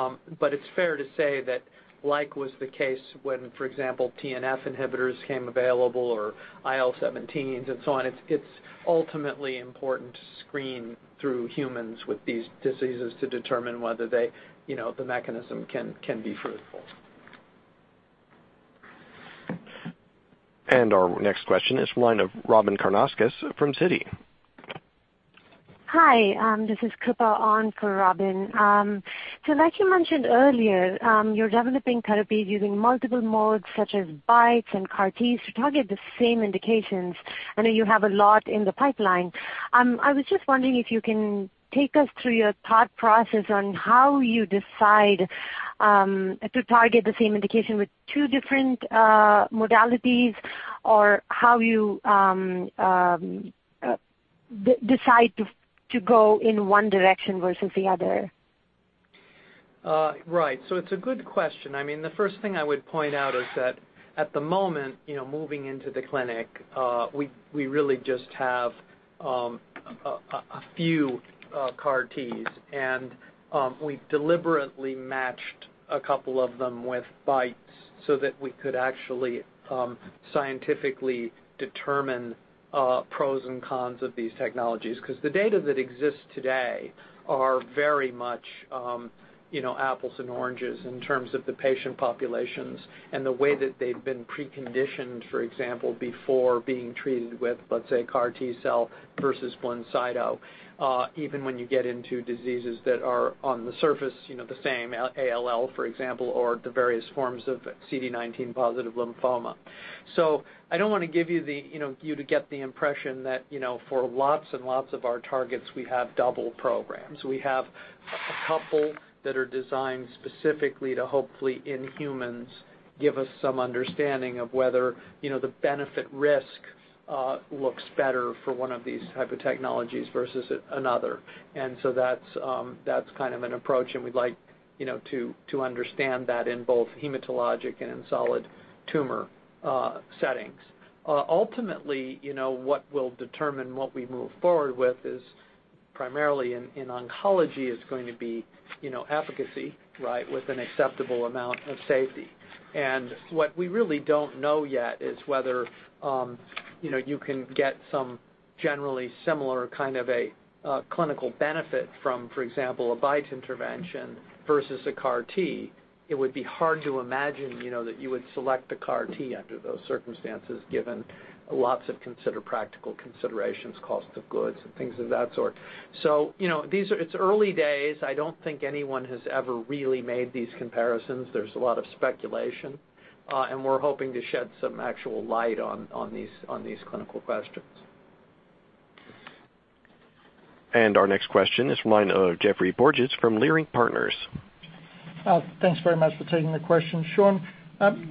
It's fair to say that like was the case when, for example, TNF inhibitors came available or IL-17s and so on, it's ultimately important to screen through humans with these diseases to determine whether the mechanism can be fruitful. Our next question is from the line of Robyn Karnauskas from Citi. Hi, this is Krupa on for Robyn. Like you mentioned earlier, you're developing therapies using multiple modes such as BiTEs and CAR Ts to target the same indications. I know you have a lot in the pipeline. I was just wondering if you can take us through your thought process on how you decide To target the same indication with two different modalities or how you decide to go in one direction versus the other? Right. It's a good question. The first thing I would point out is that at the moment, moving into the clinic, we really just have a few CAR Ts, and we deliberately matched a couple of them with BiTEs so that we could actually scientifically determine pros and cons of these technologies. Because the data that exists today are very much apples and oranges in terms of the patient populations and the way that they've been preconditioned, for example, before being treated with, let's say, CAR T-cell versus one BiTE, even when you get into diseases that are on the surface the same, ALL, for example, or the various forms of CD19 positive lymphoma. I don't want to give you to get the impression that for lots and lots of our targets, we have double programs. We have a couple that are designed specifically to hopefully in humans give us some understanding of whether the benefit risk looks better for one of these type of technologies versus another. That's kind of an approach, and we'd like to understand that in both hematologic and in solid tumor settings. Ultimately, what will determine what we move forward with is primarily in oncology is going to be efficacy with an acceptable amount of safety. What we really don't know yet is whether you can get some generally similar kind of a clinical benefit from, for example, a BiTE intervention versus a CAR T. It would be hard to imagine that you would select a CAR T under those circumstances, given lots of practical considerations, cost of goods, and things of that sort. It's early days. I don't think anyone has ever really made these comparisons. There's a lot of speculation, and we're hoping to shed some actual light on these clinical questions. Our next question is line of Geoffrey Porges from Leerink Partners. Thanks very much for taking the question. Sean,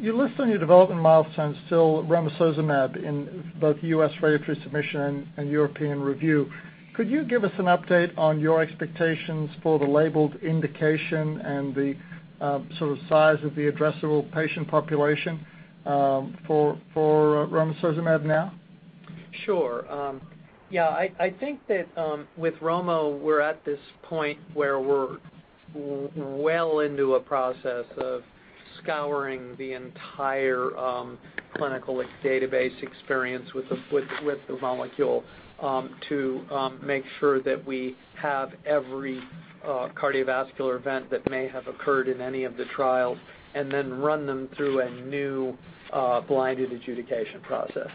you list on your development milestones still romosozumab in both U.S. regulatory submission and European review. Could you give us an update on your expectations for the labeled indication and the sort of size of the addressable patient population for romosozumab now? Sure. Yeah, I think that with romo, we're at this point where we're well into a process of scouring the entire clinical database experience with the molecule to make sure that we have every cardiovascular event that may have occurred in any of the trials, then run them through a new blinded adjudication process.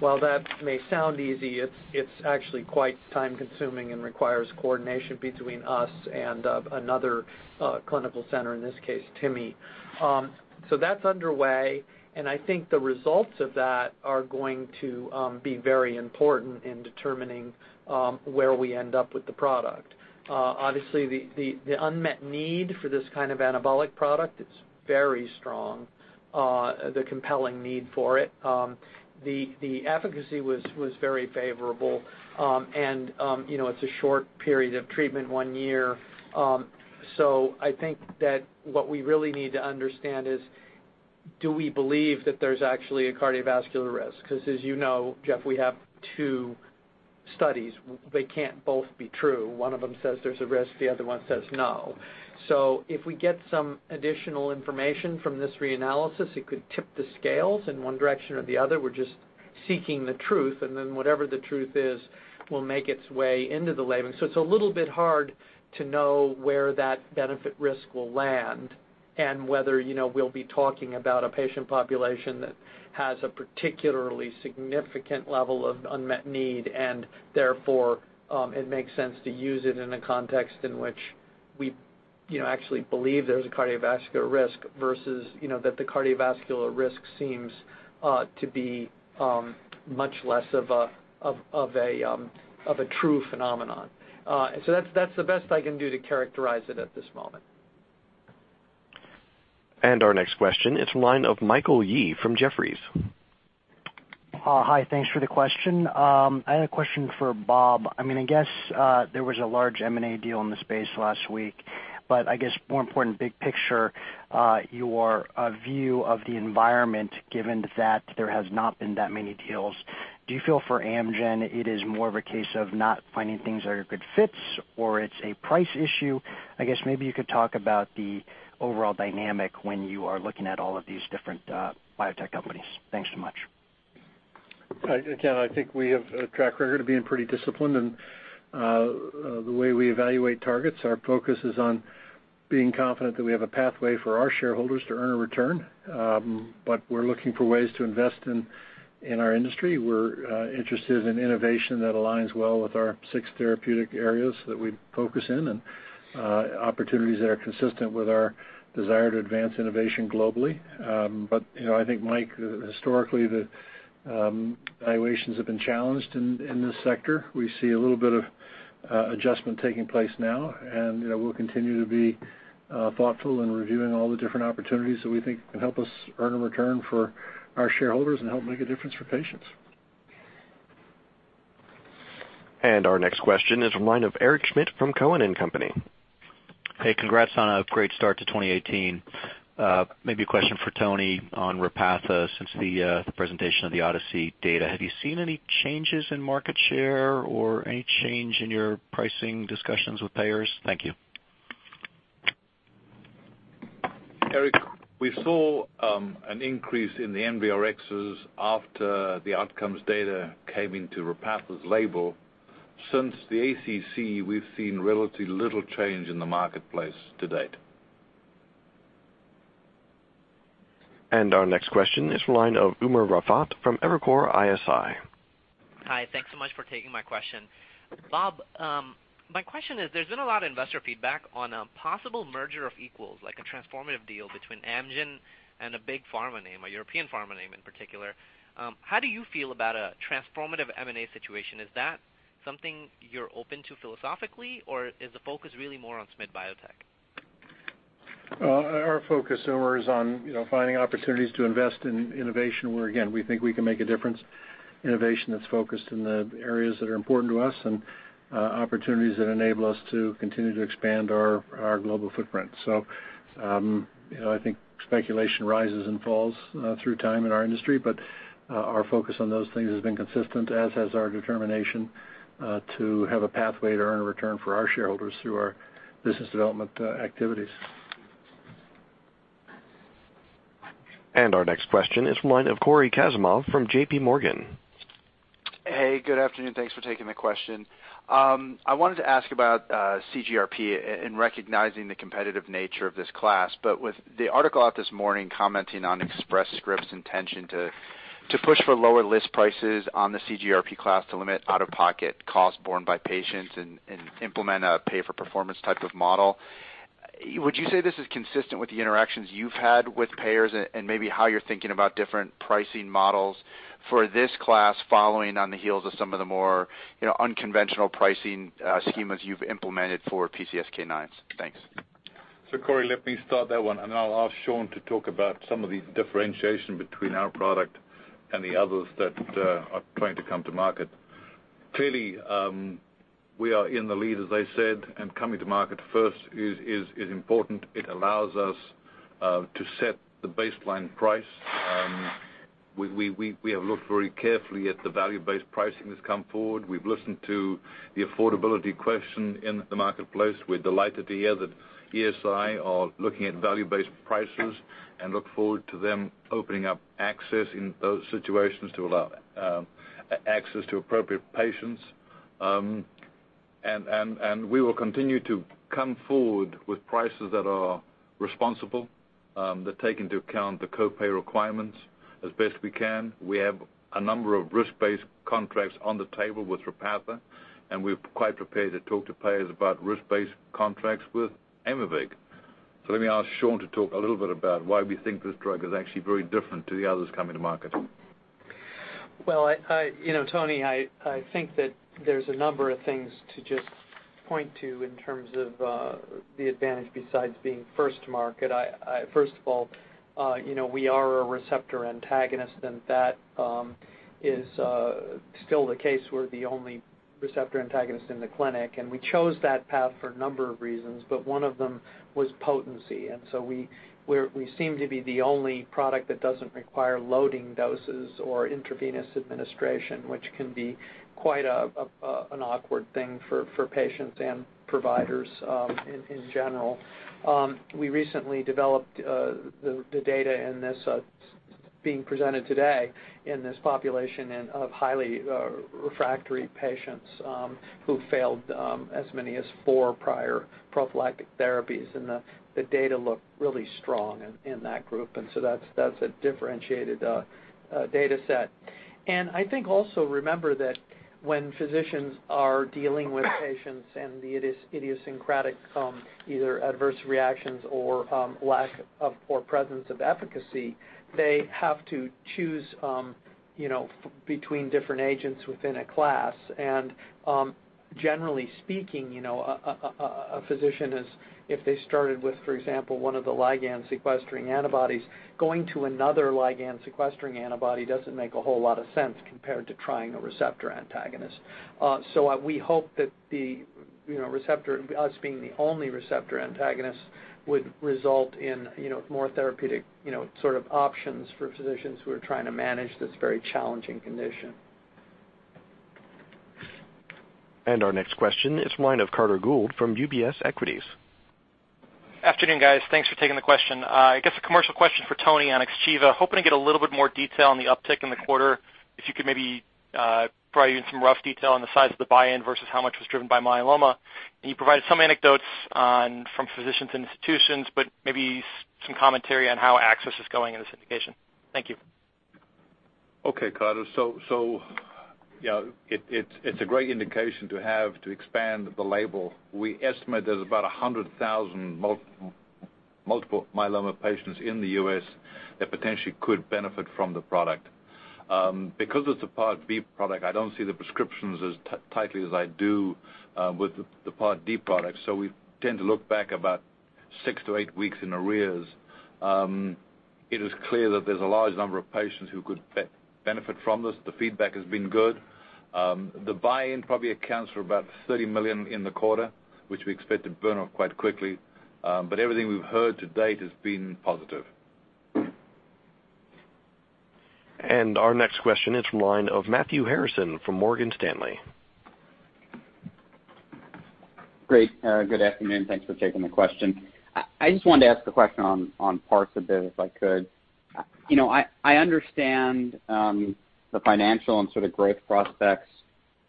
While that may sound easy, it's actually quite time-consuming and requires coordination between us and another clinical center, in this case, TIMI. That's underway, and I think the results of that are going to be very important in determining where we end up with the product. Obviously, the unmet need for this kind of anabolic product is very strong, the compelling need for it. The efficacy was very favorable, and it's a short period of treatment, one year. I think that what we really need to understand is, do we believe that there's actually a cardiovascular risk? Because as you know, Jeff, we have two studies. They can't both be true. One of them says there's a risk, the other one says no. If we get some additional information from this reanalysis, it could tip the scales in one direction or the other. We're just seeking the truth, whatever the truth is will make its way into the labeling. It's a little bit hard to know where that benefit risk will land and whether we'll be talking about a patient population that has a particularly significant level of unmet need, and therefore, it makes sense to use it in a context in which we actually believe there's a cardiovascular risk versus that the cardiovascular risk seems to be much less of a true phenomenon. That's the best I can do to characterize it at this moment. Our next question is the line of Michael Yee from Jefferies. Hi, thanks for the question. I had a question for Bob. I guess there was a large M&A deal in the space last week, but I guess more important big picture, your view of the environment, given that there has not been that many deals. Do you feel for Amgen it is more of a case of not finding things that are good fits or it's a price issue? I guess maybe you could talk about the overall dynamic when you are looking at all of these different biotech companies. Thanks so much. Again, I think we have a track record of being pretty disciplined in the way we evaluate targets. Our focus is on being confident that we have a pathway for our shareholders to earn a return, but we're looking for ways to invest in our industry. We're interested in innovation that aligns well with our six therapeutic areas that we focus in and opportunities that are consistent with our desire to advance innovation globally. I think, Mike, historically, the valuations have been challenged in this sector. We see a little bit of adjustment taking place now, and we'll continue to be thoughtful in reviewing all the different opportunities that we think can help us earn a return for our shareholders and help make a difference for patients. Our next question is from the line of Eric Schmidt from Cowen and Company. Hey, congrats on a great start to 2018. Maybe a question for Tony on Repatha, since the presentation of the Odyssey data. Have you seen any changes in market share or any change in your pricing discussions with payers? Thank you. Eric, we saw an increase in the NBRx's after the outcomes data came into Repatha's label. Since the ACC, we've seen relatively little change in the marketplace to date. Our next question is from the line of Umer Raffat from Evercore ISI. Hi. Thanks so much for taking my question. Bob, my question is, there's been a lot of investor feedback on a possible merger of equals, like a transformative deal between Amgen and a big pharma name, a European pharma name in particular. How do you feel about a transformative M&A situation? Is that something you're open to philosophically, or is the focus really more on small biotech? Our focus, Umer, is on finding opportunities to invest in innovation where, again, we think we can make a difference. Innovation that's focused in the areas that are important to us and opportunities that enable us to continue to expand our global footprint. I think speculation rises and falls through time in our industry. Our focus on those things has been consistent, as has our determination to have a pathway to earn a return for our shareholders through our business development activities. Our next question is from the line of Cory Kasimov from JP Morgan. Hey, good afternoon. Thanks for taking the question. I wanted to ask about CGRP in recognizing the competitive nature of this class. With the article out this morning commenting on Express Scripts intention to push for lower list prices on the CGRP class to limit out-of-pocket costs borne by patients and implement a pay-for-performance type of model, would you say this is consistent with the interactions you've had with payers and maybe how you're thinking about different pricing models for this class following on the heels of some of the more unconventional pricing schemas you've implemented for PCSK9s? Thanks. Cory, let me start that one, and then I'll ask Sean to talk about some of the differentiation between our product and the others that are planning to come to market. Clearly, we are in the lead, as I said, and coming to market first is important. It allows us to set the baseline price. We have looked very carefully at the value-based pricing that's come forward. We've listened to the affordability question in the marketplace. We're delighted to hear that ESI are looking at value-based pricings and look forward to them opening up access in those situations to allow access to appropriate patients. We will continue to come forward with prices that are responsible, that take into account the co-pay requirements as best we can. We have a number of risk-based contracts on the table with Repatha, and we're quite prepared to talk to payers about risk-based contracts with Aimovig. Let me ask Sean to talk a little bit about why we think this drug is actually very different to the others coming to market. Well, Tony, I think that there's a number of things to just point to in terms of the advantage besides being first to market. First of all, we are a receptor antagonist, and that is still the case. We're the only receptor antagonist in the clinic, and we chose that path for a number of reasons, but one of them was potency. We seem to be the only product that doesn't require loading doses or intravenous administration, which can be quite an awkward thing for patients and providers in general. We recently developed the data in this being presented today in this population of highly refractory patients who failed as many as four prior prophylactic therapies, and the data looked really strong in that group. That's a differentiated dataset. I think also remember that when physicians are dealing with patients and the idiosyncratic either adverse reactions or lack of, or presence of efficacy, they have to choose between different agents within a class. Generally speaking, a physician is, if they started with, for example, one of the ligand-sequestering antibodies, going to another ligand-sequestering antibody doesn't make a whole lot of sense compared to trying a receptor antagonist. We hope that us being the only receptor antagonist would result in more therapeutic sort of options for physicians who are trying to manage this very challenging condition. Our next question is from the line of Carter Gould from UBS Equities. Afternoon, guys. Thanks for taking the question. I guess a commercial question for Tony on XGEVA. Hoping to get a little bit more detail on the uptick in the quarter. If you could maybe provide even some rough detail on the size of the buy-in versus how much was driven by myeloma. You provided some anecdotes from physicians and institutions, but maybe some commentary on how access is going in this indication. Thank you. Okay, Carter. It's a great indication to have to expand the label. We estimate there's about 100,000 multiple myeloma patients in the U.S. that potentially could benefit from the product. Because it's a Part B product, I don't see the prescriptions as tightly as I do with the Part D product. We tend to look back about six to eight weeks in arrears. It is clear that there's a large number of patients who could benefit from this. The feedback has been good. The buy-in probably accounts for about $30 million in the quarter, which we expect to burn off quite quickly. Everything we've heard to date has been positive. Our next question is from the line of Matthew Harrison from Morgan Stanley. Great. Good afternoon. Thanks for taking the question. I just wanted to ask the question on Parsabiv, if I could. I understand the financial and sort of growth prospects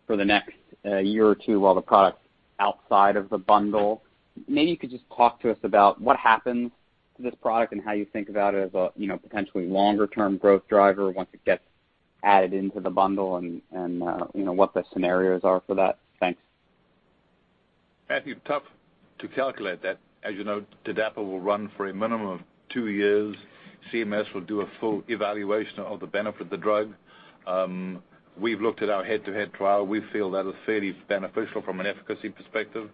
for the next year or two while the product's outside of the bundle. Maybe you could just talk to us about what happens to this product and how you think about it as a potentially longer-term growth driver once it gets added into the bundle and what the scenarios are for that. Thanks. Matthew, tough to calculate that. As you know, TDAPA will run for a minimum of two years. CMS will do a full evaluation of the benefit of the drug. We've looked at our head-to-head trial. We feel that is fairly beneficial from an efficacy perspective.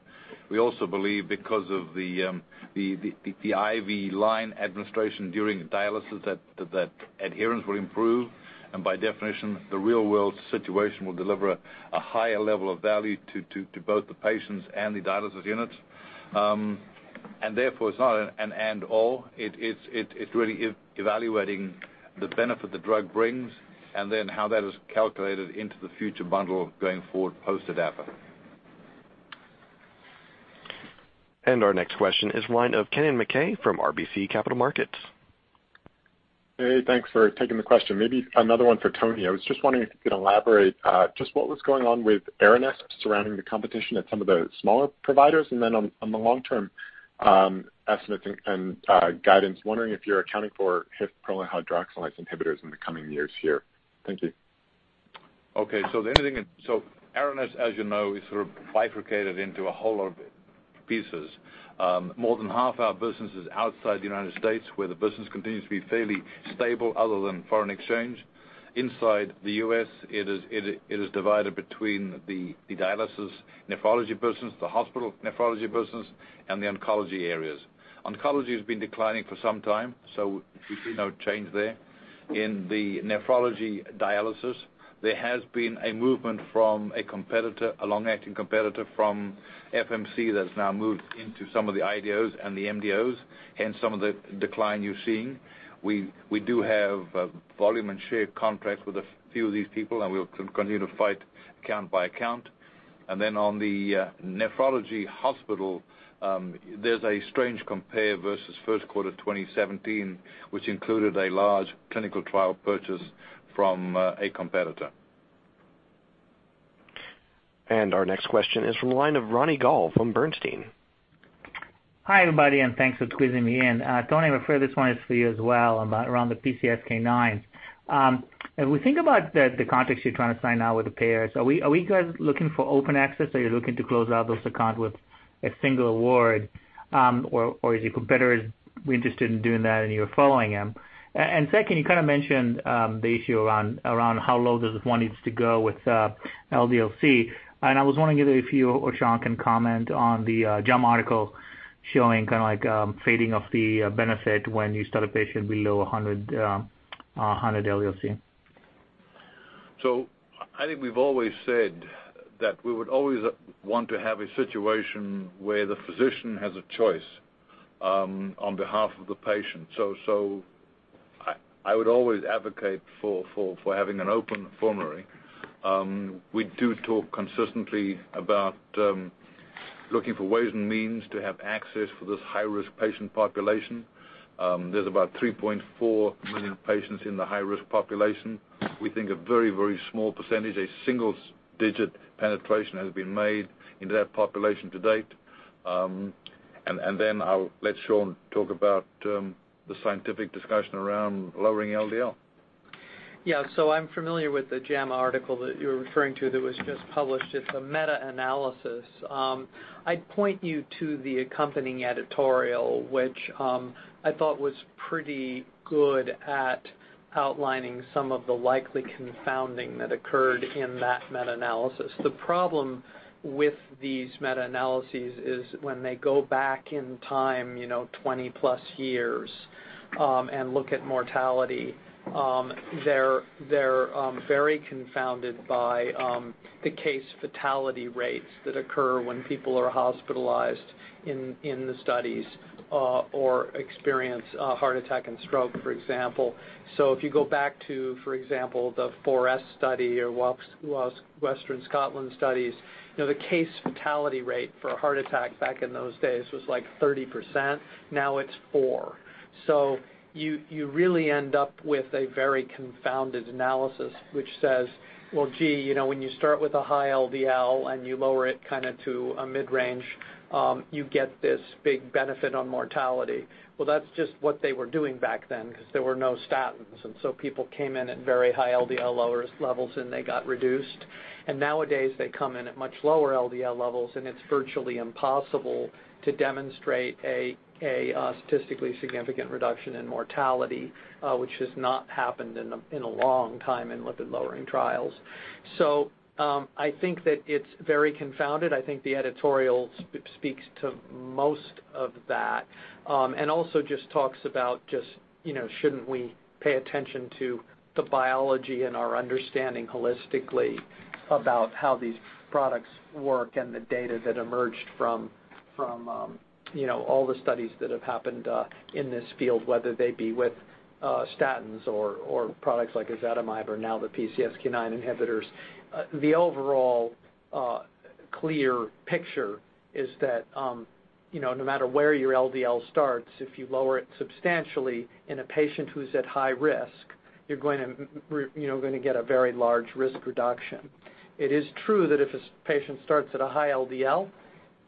We also believe because of the IV line administration during dialysis that adherence will improve, and by definition, the real-world situation will deliver a higher level of value to both the patients and the dialysis units. Therefore, it's not an end-all. It's really evaluating the benefit the drug brings and then how that is calculated into the future bundle going forward post TDAPA. Our next question is the line of Kennen MacKay from RBC Capital Markets. Hey, thanks for taking the question. Maybe another one for Tony. I was just wondering if you could elaborate just what was going on with Aranesp surrounding the competition at some of the smaller providers, and then on the long-term estimates and guidance, wondering if you're accounting for HIF prolyl hydroxylase inhibitors in the coming years here. Thank you. Okay. Aranesp, as you know, is sort of bifurcated into a whole lot of pieces. More than half our business is outside the United States, where the business continues to be fairly stable other than foreign exchange. Inside the U.S., it is divided between the dialysis nephrology business, the hospital nephrology business, and the oncology areas. Oncology has been declining for some time, so we see no change there. In the nephrology dialysis, there has been a movement from a competitor, a long-acting competitor from FMC that's now moved into some of the IDOs and the TDOs, hence some of the decline you're seeing. We do have volume and share contracts with a few of these people, and we'll continue to fight count by count. On the nephrology hospital, there's a strange compare versus first quarter 2017, which included a large clinical trial purchase from a competitor. Our next question is from the line of Ronny Gal from Bernstein. Hi, everybody, and thanks for squeezing me in. Tony, I'm afraid this one is for you as well around the PCSK9. As we think about the contracts you're trying to sign now with the payers, are we guys looking for open access? Are you looking to close out those accounts with a single award? Is your competitor interested in doing that and you're following him? Second, you kind of mentioned the issue around how low does one need to go with LDL-C. I was wondering if you or Sean can comment on the JAMA article showing kind of like fading of the benefit when you start a patient below 100 LDL-C. I think we've always said that we would always want to have a situation where the physician has a choice on behalf of the patient. I would always advocate for having an open formulary. We do talk consistently about looking for ways and means to have access for this high-risk patient population. There's about 3.4 million patients in the high-risk population. We think a very, very small percentage, a single-digit penetration has been made into that population to date. I'll let Sean talk about the scientific discussion around lowering LDL. Yeah. I'm familiar with the JAMA article that you're referring to that was just published. It's a meta-analysis. I'd point you to the accompanying editorial, which I thought was pretty good at outlining some of the likely confounding that occurred in that meta-analysis. The problem with these meta-analyses is when they go back in time 20 plus years and look at mortality, they're very confounded by the case fatality rates that occur when people are hospitalized in the studies or experience heart attack and stroke, for example. If you go back to, for example, the 4S study or Western Scotland studies, the case fatality rate for a heart attack back in those days was like 30%. Now it's 4%. You really end up with a very confounded analysis, which says, well, gee, when you start with a high LDL and you lower it kind of to a mid-range, you get this big benefit on mortality. Well, that's just what they were doing back then because there were no statins. People came in at very high LDL levels, and they got reduced. Nowadays, they come in at much lower LDL levels, and it's virtually impossible to demonstrate a statistically significant reduction in mortality, which has not happened in a long time in lipid-lowering trials. I think that it's very confounded. I think the editorial speaks to most of that. Also just talks about just shouldn't we pay attention to the biology and our understanding holistically about how these products work and the data that emerged from all the studies that have happened in this field, whether they be with statins or products like ezetimibe or now the PCSK9 inhibitors, the overall clear picture is that no matter where your LDL starts, if you lower it substantially in a patient who's at high risk, you're going to get a very large risk reduction. It is true that if a patient starts at a high LDL,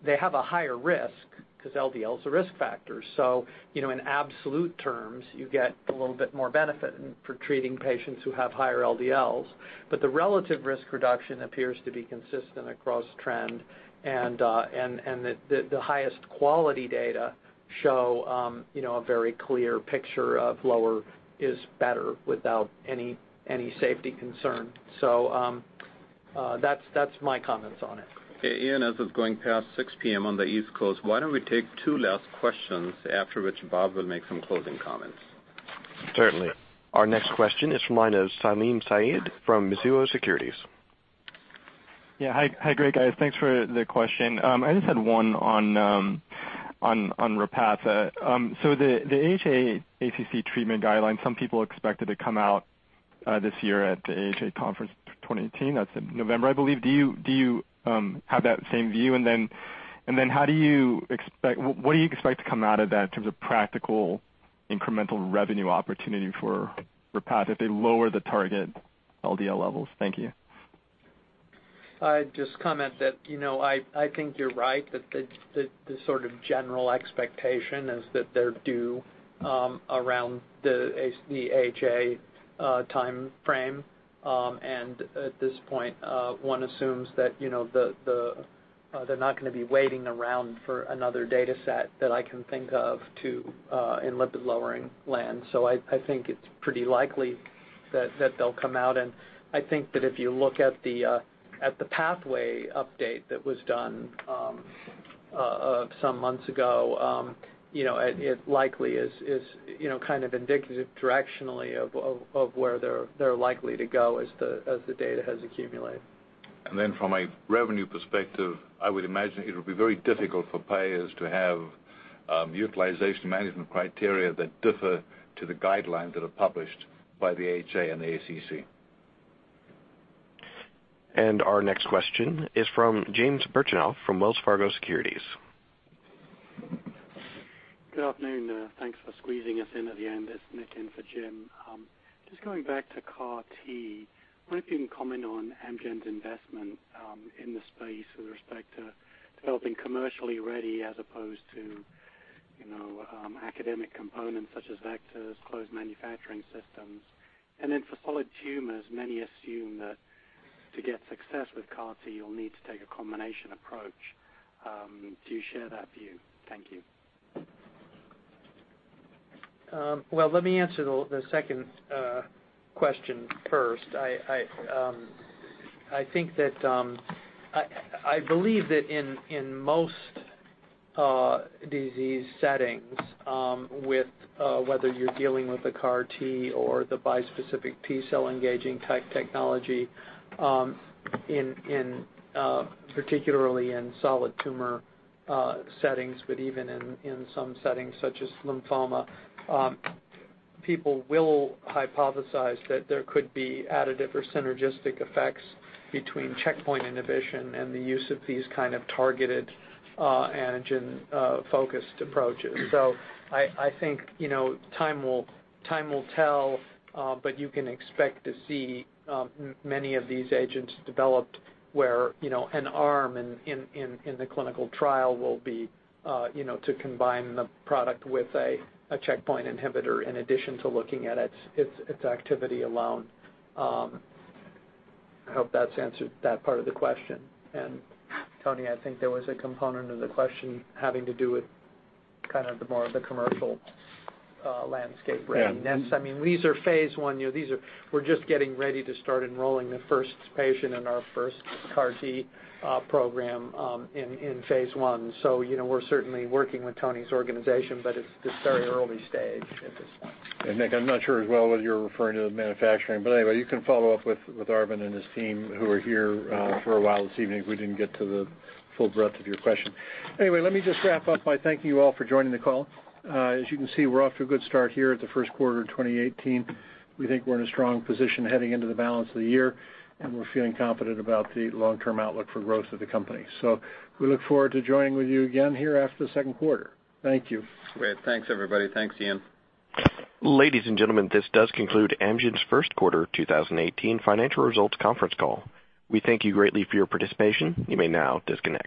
they have a higher risk because LDL is a risk factor. In absolute terms, you get a little bit more benefit for treating patients who have higher LDLs. The relative risk reduction appears to be consistent across trend, and that the highest quality data show a very clear picture of lower is better without any safety concern. That's my comments on it. Okay, Ian, as it's going past 6:00 P.M. on the East Coast, why don't we take two last questions, after which Bob will make some closing comments. Certainly. Our next question is from the line of Salim Syed from Mizuho Securities. Yeah. Hi, great, guys. Thanks for the question. I just had one on Repatha. The AHA/ACC treatment guidelines, some people expected to come out this year at the AHA conference 2018, that's in November, I believe. Do you have that same view? Then, what do you expect to come out of that in terms of practical, incremental revenue opportunity for Repatha if they lower the target LDL levels? Thank you. I'd just comment that I think you're right, that the sort of general expectation is that they're due around the AHA timeframe. At this point, one assumes that they're not going to be waiting around for another data set that I can think of too, in lipid-lowering land. I think it's pretty likely that they'll come out and I think that if you look at the pathway update that was done some months ago, it likely is kind of indicative directionally of where they're likely to go as the data has accumulated. From a revenue perspective, I would imagine it'll be very difficult for payers to have utilization management criteria that differ to the guidelines that are published by the AHA and the ACC. Our next question is from Jim Birchenough from Wells Fargo Securities. Good afternoon. Thanks for squeezing us in at the end. It's Nick in for Jim. Just going back to CAR T, I wonder if you can comment on Amgen's investment in the space with respect to developing commercially ready as opposed to academic components such as vectors, closed manufacturing systems. For solid tumors, many assume that to get success with CAR T, you'll need to take a combination approach. Do you share that view? Thank you. Well, let me answer the second question first. I believe that in most disease settings, whether you're dealing with the CAR T or the bispecific T-cell engaging type technology, particularly in solid tumor settings, but even in some settings such as lymphoma, people will hypothesize that there could be additive or synergistic effects between checkpoint inhibition and the use of these kind of targeted antigen-focused approaches. I think time will tell, but you can expect to see many of these agents developed where an arm in the clinical trial will be to combine the product with a checkpoint inhibitor in addition to looking at its activity alone. I hope that's answered that part of the question. Tony, I think there was a component of the question having to do with kind of more of the commercial landscape readiness. Yeah. I mean, these are phase I. We're just getting ready to start enrolling the first patient in our first CAR T program in phase I. We're certainly working with Tony's organization, but it's just very early stage at this point. Nick, I'm not sure as well whether you're referring to the manufacturing, but anyway, you can follow up with Arvind and his team who are here for a while this evening if we didn't get to the full breadth of your question. Anyway, let me just wrap up by thanking you all for joining the call. As you can see, we're off to a good start here at the first quarter of 2018. We think we're in a strong position heading into the balance of the year, and we're feeling confident about the long-term outlook for growth of the company. We look forward to joining with you again here after the second quarter. Thank you. Great. Thanks, everybody. Thanks, Ian. Ladies and gentlemen, this does conclude Amgen's first quarter 2018 financial results conference call. We thank you greatly for your participation. You may now disconnect.